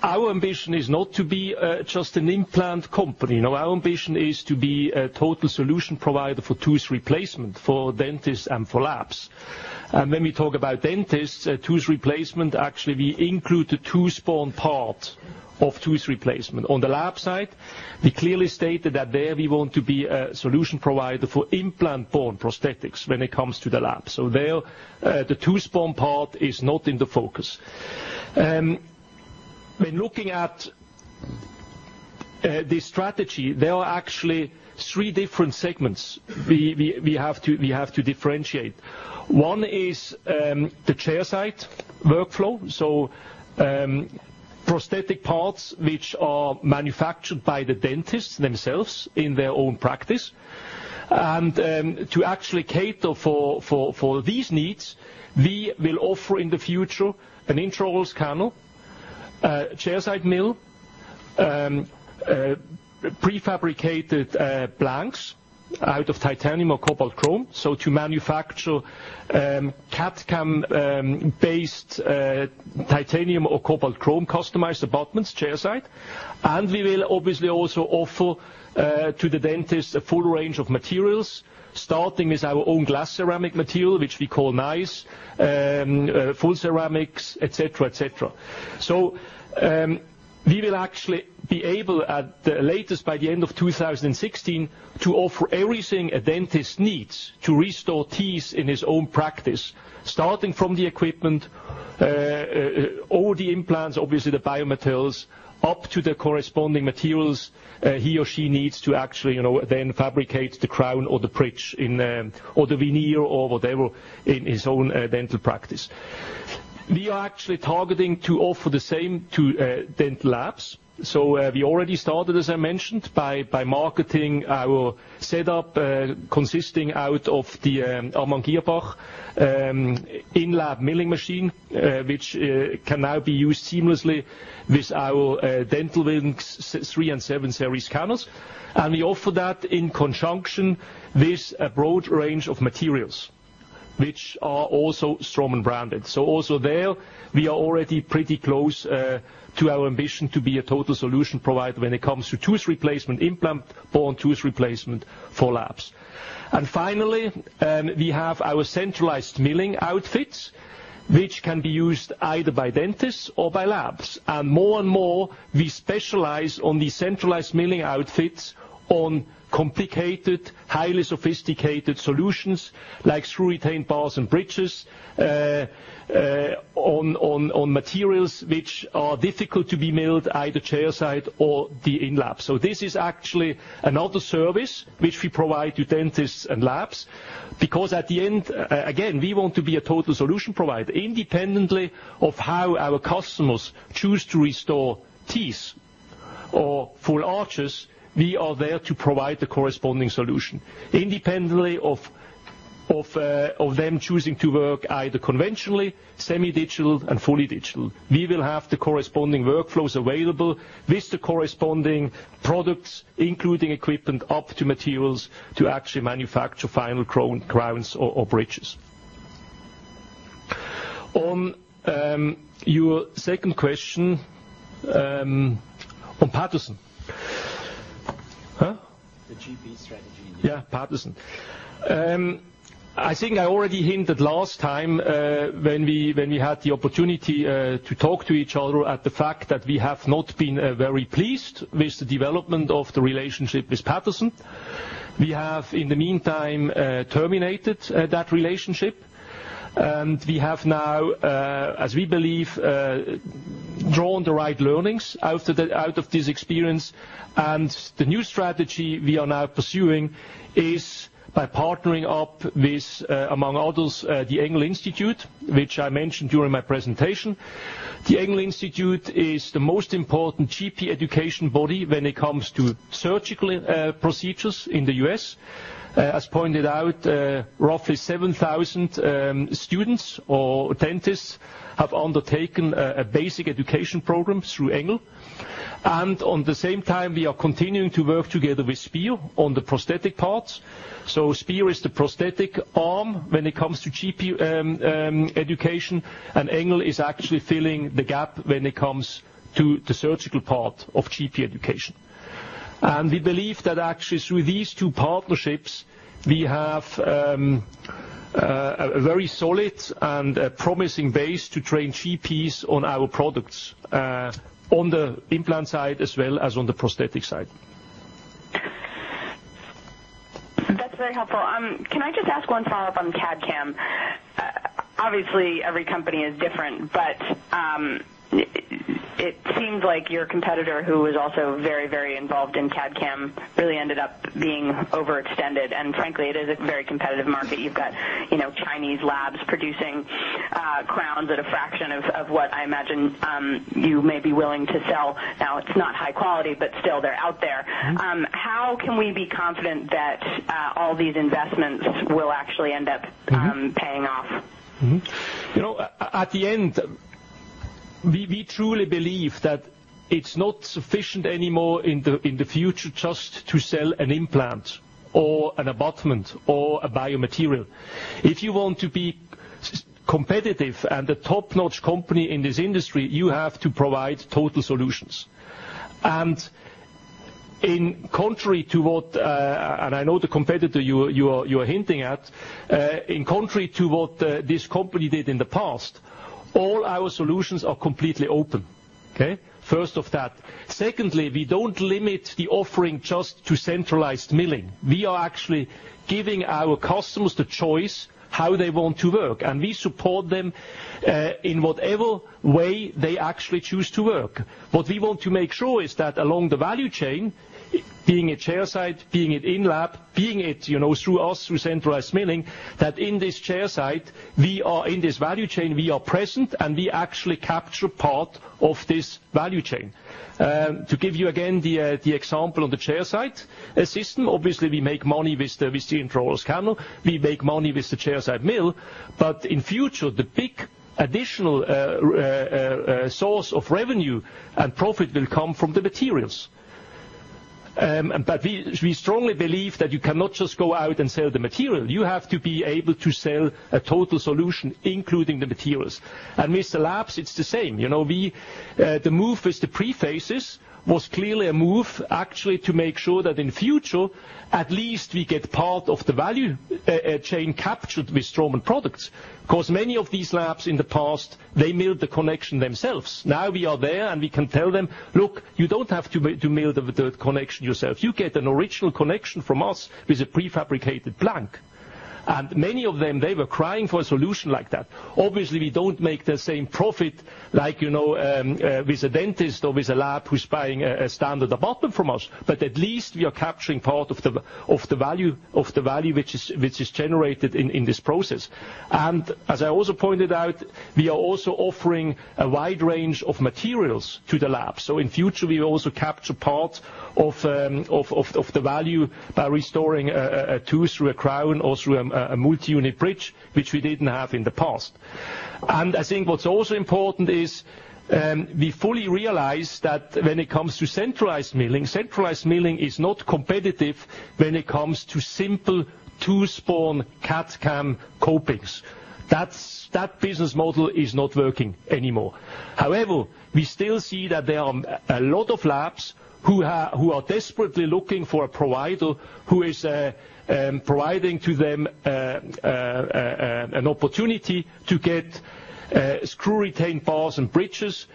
Our ambition is not to be just an implant company. No, our ambition is to be a total solution provider for tooth replacement for dentists and for labs. When we talk about dentists, tooth replacement, actually, we include the tooth-borne part of tooth replacement. There the tooth-borne part is not in the focus. When looking at the strategy, there are actually three different segments we have to differentiate. One is the chair-side workflow, so prosthetic parts which are manufactured by the dentists themselves in their own practice. To actually cater for these needs, we will offer in the future an intraoral scanner, a chairside mill and prefabricated blanks out of titanium or cobalt chrome. To manufacture CAD/CAM-based titanium or cobalt chrome customized abutments chairside. We will obviously also offer to the dentist a full range of materials, starting with our own glass ceramic material, which we call n!ce, full ceramics, et cetera. We will actually be able, at the latest by the end of 2016, to offer everything a dentist needs to restore teeth in his own practice, starting from the equipment, all the implants, obviously the biomaterials, up to the corresponding materials he or she needs to actually then fabricate the crown or the bridge or the veneer, or whatever, in his own dental practice. We are actually targeting to offer the same to dental labs. We already started, as I mentioned, by marketing our setup, consisting out of the Amann Girrbach in-lab milling machine, which can now be used seamlessly with our Dental Wings 3 and 7 series scanners. We offer that in conjunction with a broad range of materials, which are also Straumann-branded. Also there, we are already pretty close to our ambition to be a total solution provider when it comes to tooth replacement, implant-borne tooth replacement for labs. Finally, we have our centralized milling outfits, which can be used either by dentists or by labs. More and more, we specialize on these centralized milling outfits on complicated, highly sophisticated solutions like screw-retained bars and bridges, on materials which are difficult to be milled, either chairside or in-lab. This is actually another service which we provide to dentists and labs, because at the end, again, we want to be a total solution provider. Independently of how our customers choose to restore teeth or full arches, we are there to provide the corresponding solution. Independently of them choosing to work either conventionally, semi-digital and fully digital. We will have the corresponding workflows available with the corresponding products, including equipment up to materials, to actually manufacture final crowns or bridges. On your second question, on Patterson. The GP strategy. Patterson. I think I already hinted last time, when we had the opportunity to talk to each other, at the fact that we have not been very pleased with the development of the relationship with Patterson. We have, in the meantime, terminated that relationship. We have now, as we believe, drawn the right learnings out of this experience. The new strategy we are now pursuing is by partnering up with, among others, the Engel Institute, which I mentioned during my presentation. The Engel Institute is the most important GP education body when it comes to surgical procedures in the U.S. As pointed out, roughly 7,000 students or dentists have undertaken a basic education program through Engel. On the same time, we are continuing to work together with Spear on the prosthetic parts. Spear is the prosthetic arm when it comes to GP education, and Engel is actually filling the gap when it comes to the surgical part of GP education. We believe that actually through these two partnerships, we have a very solid and promising base to train GPs on our products, on the implant side as well as on the prosthetic side. That's very helpful. Can I just ask one follow-up on CAD/CAM? Obviously, every company is different, but it seems like your competitor, who was also very involved in CAD/CAM, really ended up being overextended. Frankly, it is a very competitive market. You've got Chinese labs producing crowns at a fraction of what I imagine you may be willing to sell. Now, it's not high quality, but still, they're out there. How can we be confident that all these investments will actually end up? paying off? At the end, we truly believe that it's not sufficient anymore in the future just to sell an implant or an abutment or a biomaterial. If you want to be competitive and a top-notch company in this industry, you have to provide total solutions. In contrary to what, and I know the competitor you're hinting at, in contrary to what this company did in the past, all our solutions are completely open. Okay? First of all. Secondly, we don't limit the offering just to centralized milling. We are actually giving our customers the choice how they want to work, and we support them in whatever way they actually choose to work. What we want to make sure is that along the value chain, being it chairside, being it in-lab, being it through us, through centralized milling, that in this chairside, in this value chain, we are present, and we actually capture part of this value chain. To give you again the example of the chairside system, obviously, we make money with the intraoral scanner. We make money with the chairside mill. In future, the big additional source of revenue and profit will come from the materials. We strongly believe that you cannot just go out and sell the material. You have to be able to sell a total solution, including the materials. With the labs, it's the same. The move with the prosthetics was clearly a move actually to make sure that in future, at least we get part of the value chain captured with Straumann products. Many of these labs in the past, they milled the connection themselves. Now we are there, and we can tell them, "Look, you don't have to mill the connection yourself. You get an original connection from us with a prefabricated blank." Many of them, they were crying for a solution like that. Obviously, we don't make the same profit like with a dentist or with a lab who's buying a standard abutment from us, but at least we are capturing part of the value which is generated in this process. As I also pointed out, we are also offering a wide range of materials to the lab. In future, we also capture part of the value by restoring a tooth through a crown or through a multi-unit bridge, which we didn't have in the past. I think what's also important is, we fully realize that when it comes to centralized milling, centralized milling is not competitive when it comes to simple tooth-borne CAD/CAM copings. That business model is not working anymore. However, we still see that there are a lot of labs who are desperately looking for a provider who is providing to them an opportunity to get screw-retained bars and bridges,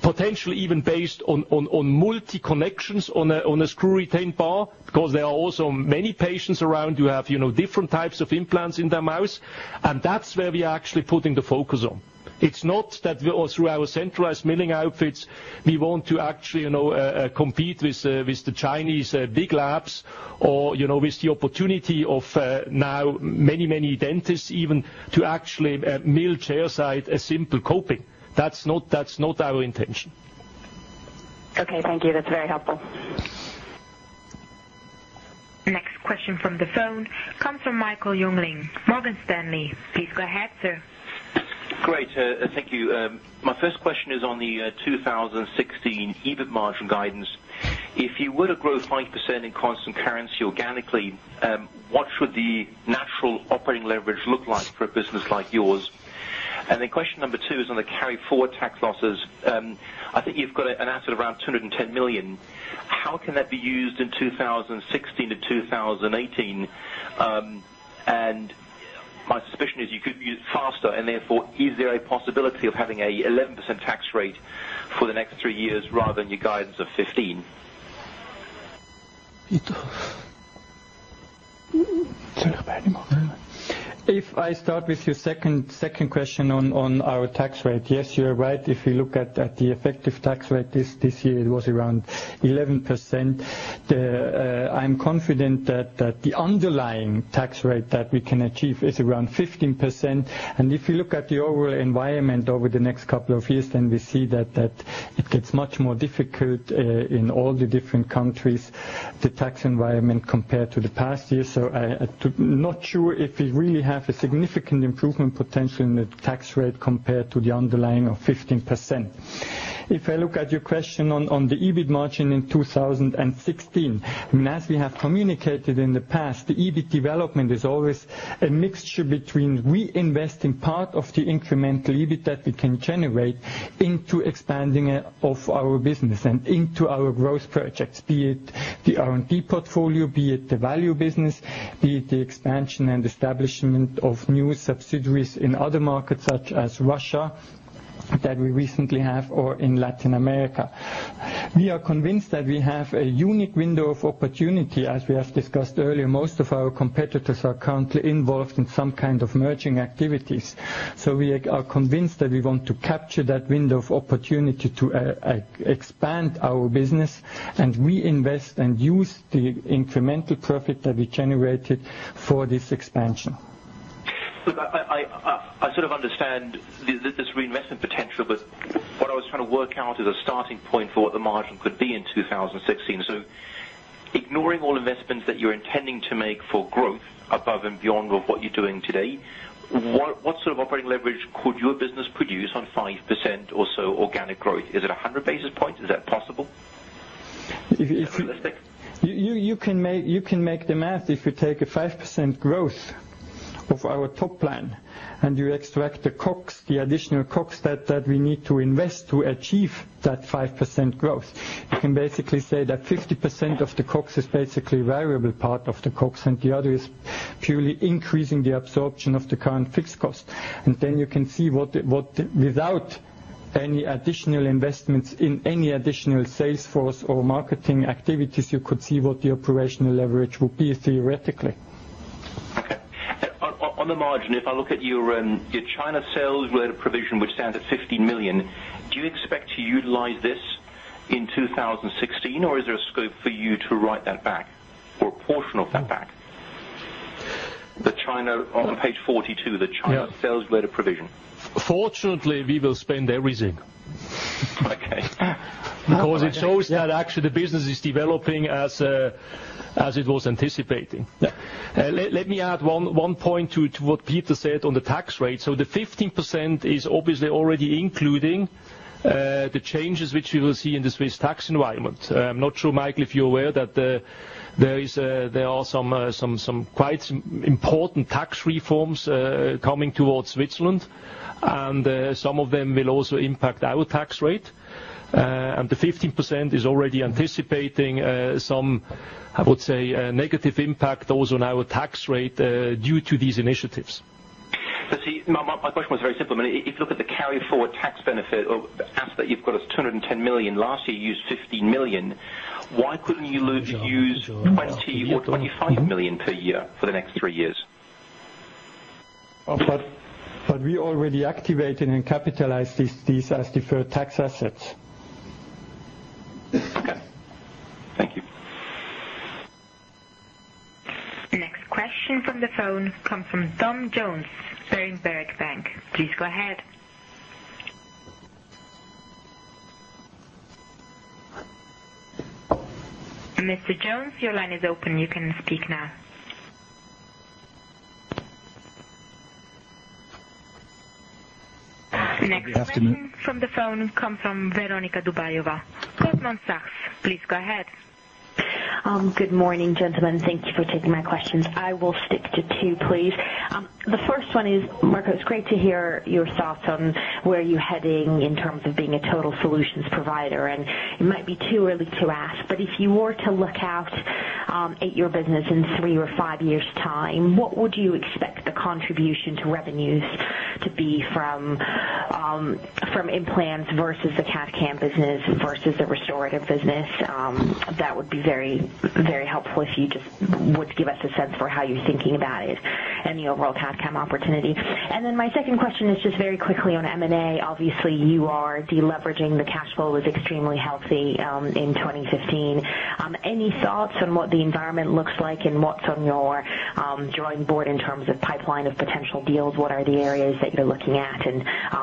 potentially even based on multi connections on a screw-retained bar, because there are also many patients around who have different types of implants in their mouths, and that's where we are actually putting the focus on. It's not that through our centralized milling outfits, we want to actually compete with the Chinese big labs or with the opportunity of now many, many dentists even to actually mill chairside a simple coping. That's not our intention. Okay, thank you. That's very helpful. Next question from the phone comes from Michael Jüngling, Morgan Stanley. Please go ahead, sir. Great. Thank you. My first question is on the 2016 EBIT margin guidance. If you were to grow 5% in constant currency organically, what should the natural operating leverage look like for a business like yours? Question number two is on the carry-forward tax losses. I think you've got an asset around 210 million. How can that be used in 2016-2018? My suspicion is you could use it faster and therefore is there a possibility of having an 11% tax rate for the next three years rather than your guidance of 15%? Peter. I start with your second question on our tax rate. Yes, you're right. You look at the effective tax rate, this year it was around 11%. I'm confident that the underlying tax rate that we can achieve is around 15%. You look at the overall environment over the next couple of years, we see that it gets much more difficult in all the different countries, the tax environment compared to the past years. I'm not sure if we really have a significant improvement potential in the tax rate compared to the underlying of 15%. I look at your question on the EBIT margin in 2016. As we have communicated in the past, the EBIT development is always a mixture between reinvesting part of the incremental EBIT that we can generate into expanding of our business and into our growth projects, be it the R&D portfolio, be it the value business, be it the expansion and establishment of new subsidiaries in other markets such as Russia that we recently have or in Latin America. We are convinced that we have a unique window of opportunity. We have discussed earlier, most of our competitors are currently involved in some kind of merging activities. We are convinced that we want to capture that window of opportunity to expand our business and reinvest and use the incremental profit that we generated for this expansion. Look, I sort of understand this reinvestment potential. What I was trying to work out is a starting point for what the margin could be in 2016. Ignoring all investments that you're intending to make for growth above and beyond of what you're doing today, what sort of operating leverage could your business produce on 5% or so organic growth? Is it 100 basis points? Is that possible? Is that realistic? You can make the math. You take a 5% growth of our top plan and you extract the additional COGS that we need to invest to achieve that 5% growth, you can basically say that 50% of the COGS is basically variable part of the COGS, the other is purely increasing the absorption of the current fixed cost. You can see without any additional investments in any additional sales force or marketing activities, you could see what the operational leverage would be theoretically. Okay. On the margin, if I look at your China sales where the provision which stands at 50 million, do you expect to utilize this in 2016 or is there a scope for you to write that back or a portion of that back? The China- On page 42, the China- Yeah sales where the provision. Fortunately, we will spend everything. Okay. It shows that actually the business is developing as it was anticipating. Yeah. Let me add one point to what Peter said on the tax rate. The 15% is obviously already including the changes which you will see in the Swiss tax environment. I am not sure, Michael, if you are aware that there are some quite important tax reforms coming towards Switzerland, and some of them will also impact our tax rate. The 15% is already anticipating some, I would say, negative impact also on our tax rate due to these initiatives. See, my question was very simple. If you look at the carry-forward tax benefit or asset you have got is 210 million. Last year, you used 15 million. Why couldn't you use? Sure 20 million or 25 million per year for the next three years? We already activated and capitalized these as deferred tax assets. Okay. Thank you. Next question from the phone comes from Tom Jones, Berenberg Bank. Please go ahead. Mr. Jones, your line is open. You can speak now. Good afternoon Question from the phone comes from Veronika Dubajova, Goldman Sachs. Please go ahead. Good morning, gentlemen. Thank you for taking my questions. I will stick to two, please. The first one is, Marco, it's great to hear your thoughts on where you're heading in terms of being a total solutions provider. It might be too early to ask, but if you were to look out at your business in three or five years' time, what would you expect the contribution to revenues to be from implants versus the CAD/CAM business versus the restorative business? That would be very helpful if you just would give us a sense for how you're thinking about it and the overall CAD/CAM opportunity. My second question is just very quickly on M&A. Obviously, you are de-leveraging. The cash flow was extremely healthy in 2015. Any thoughts on what the environment looks like and what's on your drawing board in terms of pipeline of potential deals? What are the areas that you're looking at,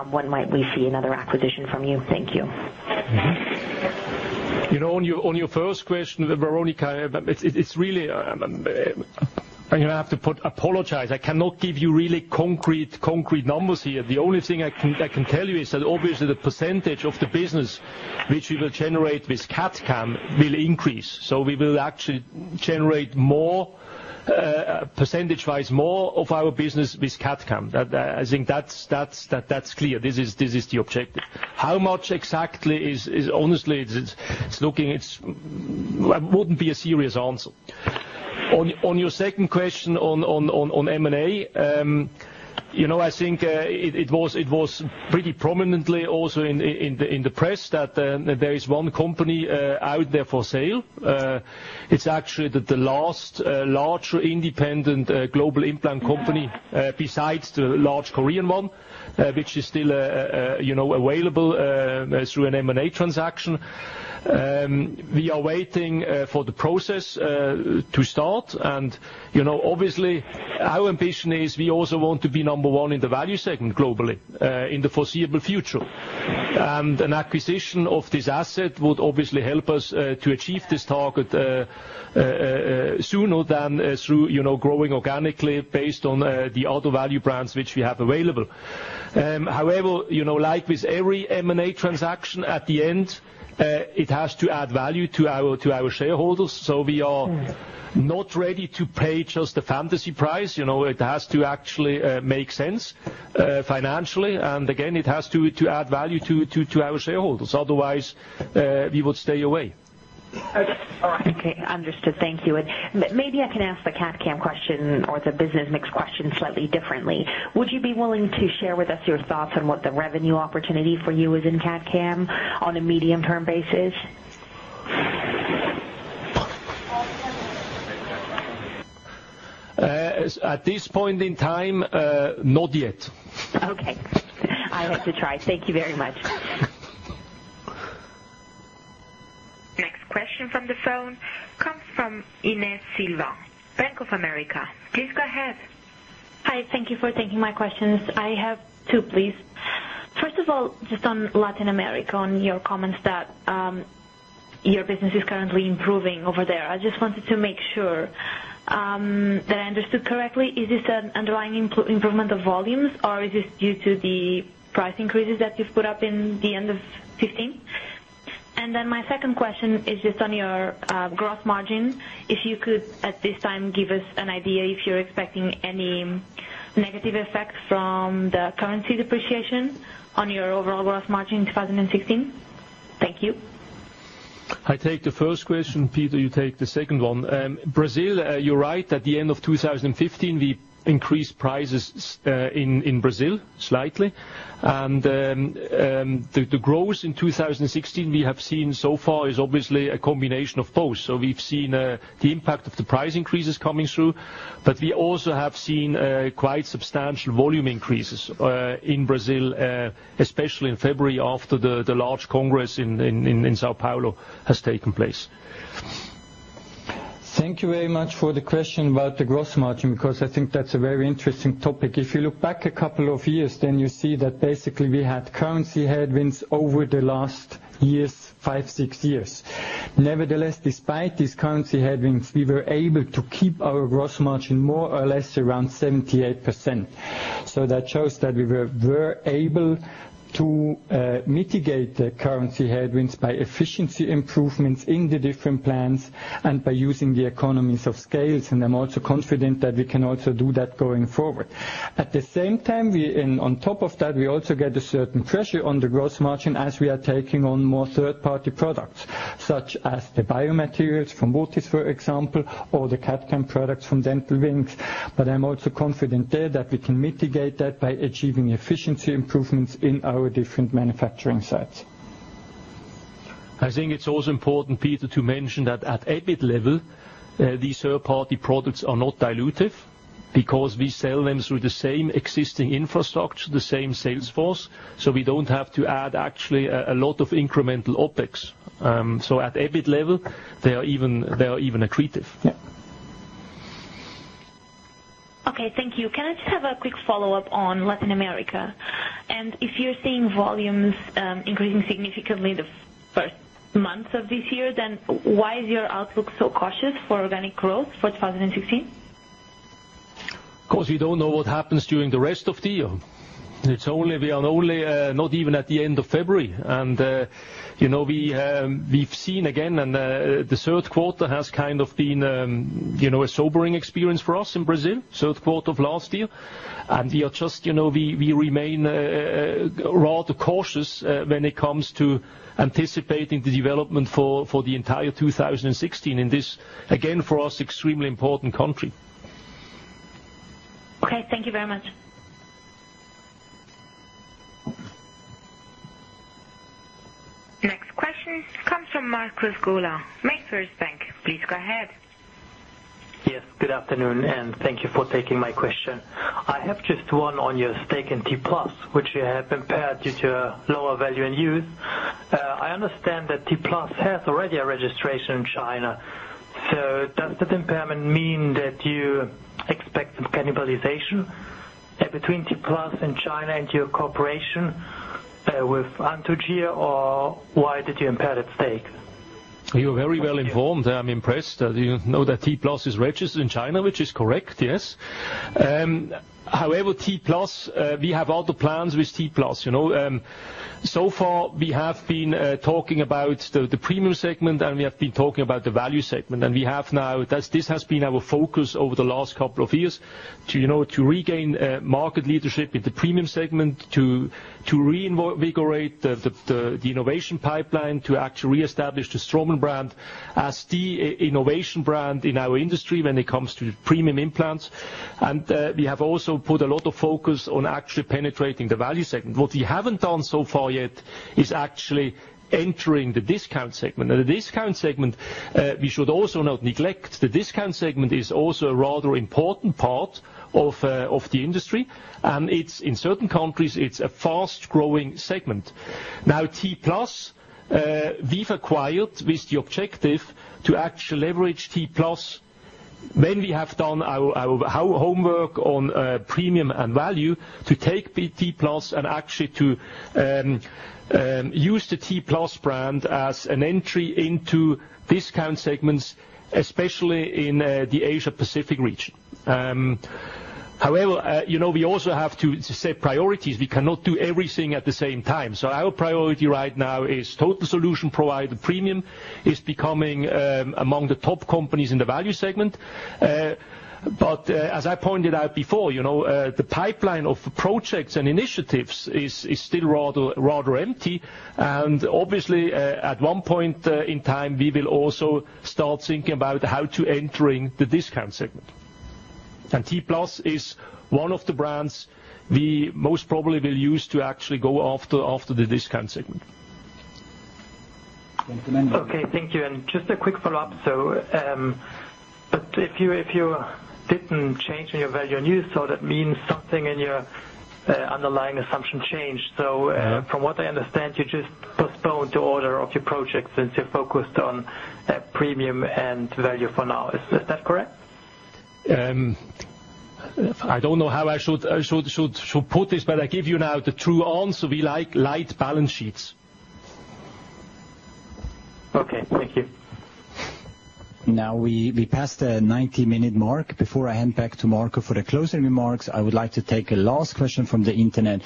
when might we see another acquisition from you? Thank you. On your first question, Veronika, I have to apologize. I cannot give you really concrete numbers here. The only thing I can tell you is that obviously the percentage of the business which we will generate with CAD/CAM will increase. We will actually generate percentage-wise more of our business with CAD/CAM. I think that's clear. This is the objective. How much exactly is, honestly, it wouldn't be a serious answer. On your second question on M&A, I think it was pretty prominently also in the press that there is one company out there for sale. It's actually the last large independent global implant company, besides the large Korean one, which is still available through an M&A transaction. We are waiting for the process to start. Obviously, our ambition is we also want to be number one in the value segment globally, in the foreseeable future. An acquisition of this asset would obviously help us to achieve this target sooner than through growing organically based on the other value brands which we have available. However, like with every M&A transaction, at the end, it has to add value to our shareholders. We are not ready to pay just a fantasy price. It has to actually make sense financially. Again, it has to add value to our shareholders. Otherwise, we would stay away. Okay. All right. Understood. Thank you. Maybe I can ask the CAD/CAM question or the business mix question slightly differently. Would you be willing to share with us your thoughts on what the revenue opportunity for you is in CAD/CAM on a medium-term basis? At this point in time, not yet. Okay. I had to try. Thank you very much. Next question from the phone comes from Ines Silva, Bank of America. Please go ahead. Hi, thank you for taking my questions. I have two, please. First of all, just on Latin America, on your comments that your business is currently improving over there. I just wanted to make sure that I understood correctly. Is this an underlying improvement of volumes, or is this due to the price increases that you've put up in the end of 2015? My second question is just on your gross margin. If you could, at this time, give us an idea if you're expecting any negative effects from the currency depreciation on your overall gross margin in 2016. Thank you. I take the first question, Peter, you take the second one. Brazil, you're right. At the end of 2015, we increased prices in Brazil slightly. The growth in 2016 we have seen so far is obviously a combination of both. We've seen the impact of the price increases coming through, but we also have seen quite substantial volume increases in Brazil, especially in February after the large congress in São Paulo has taken place. Thank you very much for the question about the gross margin, because I think that's a very interesting topic. If you look back a couple of years, you see that basically we had currency headwinds over the last years, five, six years. Nevertheless, despite these currency headwinds, we were able to keep our gross margin more or less around 78%. That shows that we were able to mitigate the currency headwinds by efficiency improvements in the different plants and by using the economies of scales. I'm also confident that we can also do that going forward. At the same time, on top of that, we also get a certain pressure on the gross margin as we are taking on more third-party products, such as the biomaterials from Botiss, for example, or the CAD/CAM products from Dental Wings. I'm also confident there that we can mitigate that by achieving efficiency improvements in our different manufacturing sites. I think it's also important, Peter, to mention that at EBIT level, these third-party products are not dilutive because we sell them through the same existing infrastructure, the same sales force. We don't have to add actually a lot of incremental OPEX. At EBIT level, they are even accretive. Yeah. Okay, thank you. Can I just have a quick follow-up on Latin America? If you're seeing volumes increasing significantly the first months of this year, why is your outlook so cautious for organic growth for 2016? We don't know what happens during the rest of the year. We are not even at the end of February. We've seen again, the third quarter has been a sobering experience for us in Brazil, third quarter of last year. We remain rather cautious when it comes to anticipating the development for the entire 2016 in this, again, for us, extremely important country. Okay, thank you very much. Next question comes from Markus Gola, Mainfirst Bank. Please go ahead. Yes, good afternoon, and thank you for taking my question. I have just one on your stake in T+, which you have impaired due to lower value in use. I understand that T+ has already a registration in China. Does that impairment mean that you expect some cannibalization between T+ in China and your cooperation with Anthogyr, or why did you impair that stake? You're very well-informed. I'm impressed that you know that T+ is registered in China, which is correct, yes. We have other plans with T+. So far we have been talking about the premium segment, and we have been talking about the value segment. This has been our focus over the last couple of years, to regain market leadership in the premium segment, to reinvigorate the innovation pipeline, to actually reestablish the Straumann brand as the innovation brand in our industry when it comes to premium implants. We have also put a lot of focus on actually penetrating the value segment. What we haven't done so far yet is actually entering the discount segment. The discount segment, we should also not neglect, the discount segment is also a rather important part of the industry, and in certain countries, it's a fast-growing segment. T+, we've acquired with the objective to actually leverage T+ when we have done our homework on premium and value to take the T+ and actually to use the T+ brand as an entry into discount segments, especially in the Asia-Pacific region. We also have to set priorities. We cannot do everything at the same time. Our priority right now is total solution provider premium is becoming among the top companies in the value segment. As I pointed out before, the pipeline of projects and initiatives is still rather empty, and obviously, at one point in time, we will also start thinking about how to entering the discount segment. T+ is one of the brands we most probably will use to actually go after the discount segment. Okay, thank you. Just a quick follow-up. If you didn't change your value in use, so that means something in your underlying assumption changed. From what I understand, you just postponed the order of your project since you're focused on premium and value for now. Is that correct? I don't know how I should put this, I give you now the true answer. We like light balance sheets. Okay, thank you. Now we passed the 90-minute mark. Before I hand back to Marco for the closing remarks, I would like to take a last question from the internet.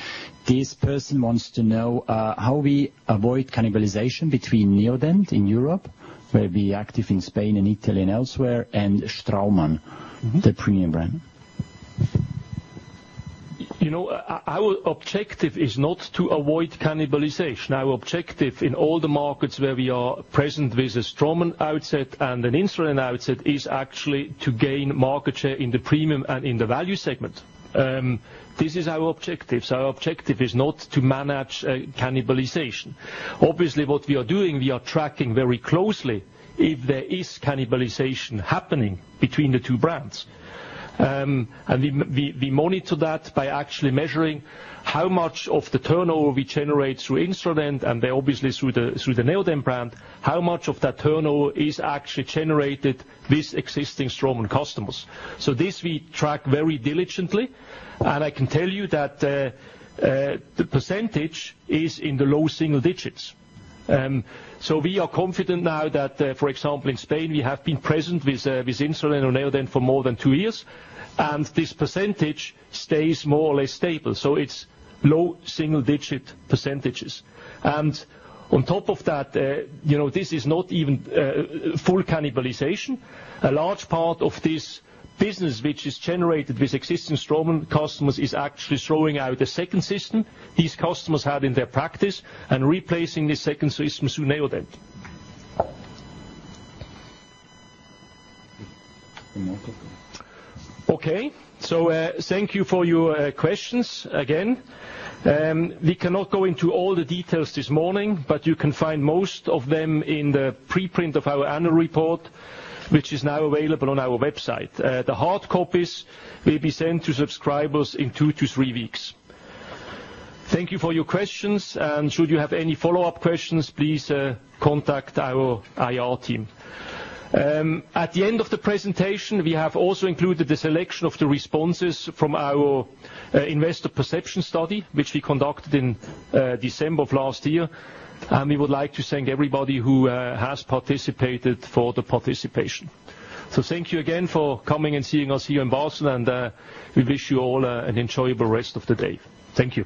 This person wants to know how we avoid cannibalization between Neodent in Europe, where we active in Spain and Italy and elsewhere, and Straumann, the premium brand. Our objective is not to avoid cannibalization. Our objective in all the markets where we are present with a Straumann outset and an Instradent outset is actually to gain market share in the premium and in the value segment. This is our objective. Our objective is not to manage cannibalization. Obviously, what we are doing, we are tracking very closely if there is cannibalization happening between the two brands. We monitor that by actually measuring how much of the turnover we generate through Instradent and obviously through the Neodent brand, how much of that turnover is actually generated with existing Straumann customers. This we track very diligently, and I can tell you that the percentage is in the low single digits. We are confident now that, for example, in Spain, we have been present with Instradent or Neodent for more than two years, and this percentage stays more or less stable. It's low single-digit percentages. On top of that, this is not even full cannibalization. A large part of this business which is generated with existing Straumann customers is actually throwing out a second system these customers have in their practice and replacing the second systems with Neodent. Okay. Thank you for your questions again. We cannot go into all the details this morning, but you can find most of them in the preprint of our annual report, which is now available on our website. The hard copies will be sent to subscribers in two to three weeks. Thank you for your questions. Should you have any follow-up questions, please contact our IR team. At the end of the presentation, we have also included the selection of the responses from our investor perception study, which we conducted in December of last year, and we would like to thank everybody who has participated for the participation. Thank you again for coming and seeing us here in Basel, and we wish you all an enjoyable rest of the day. Thank you.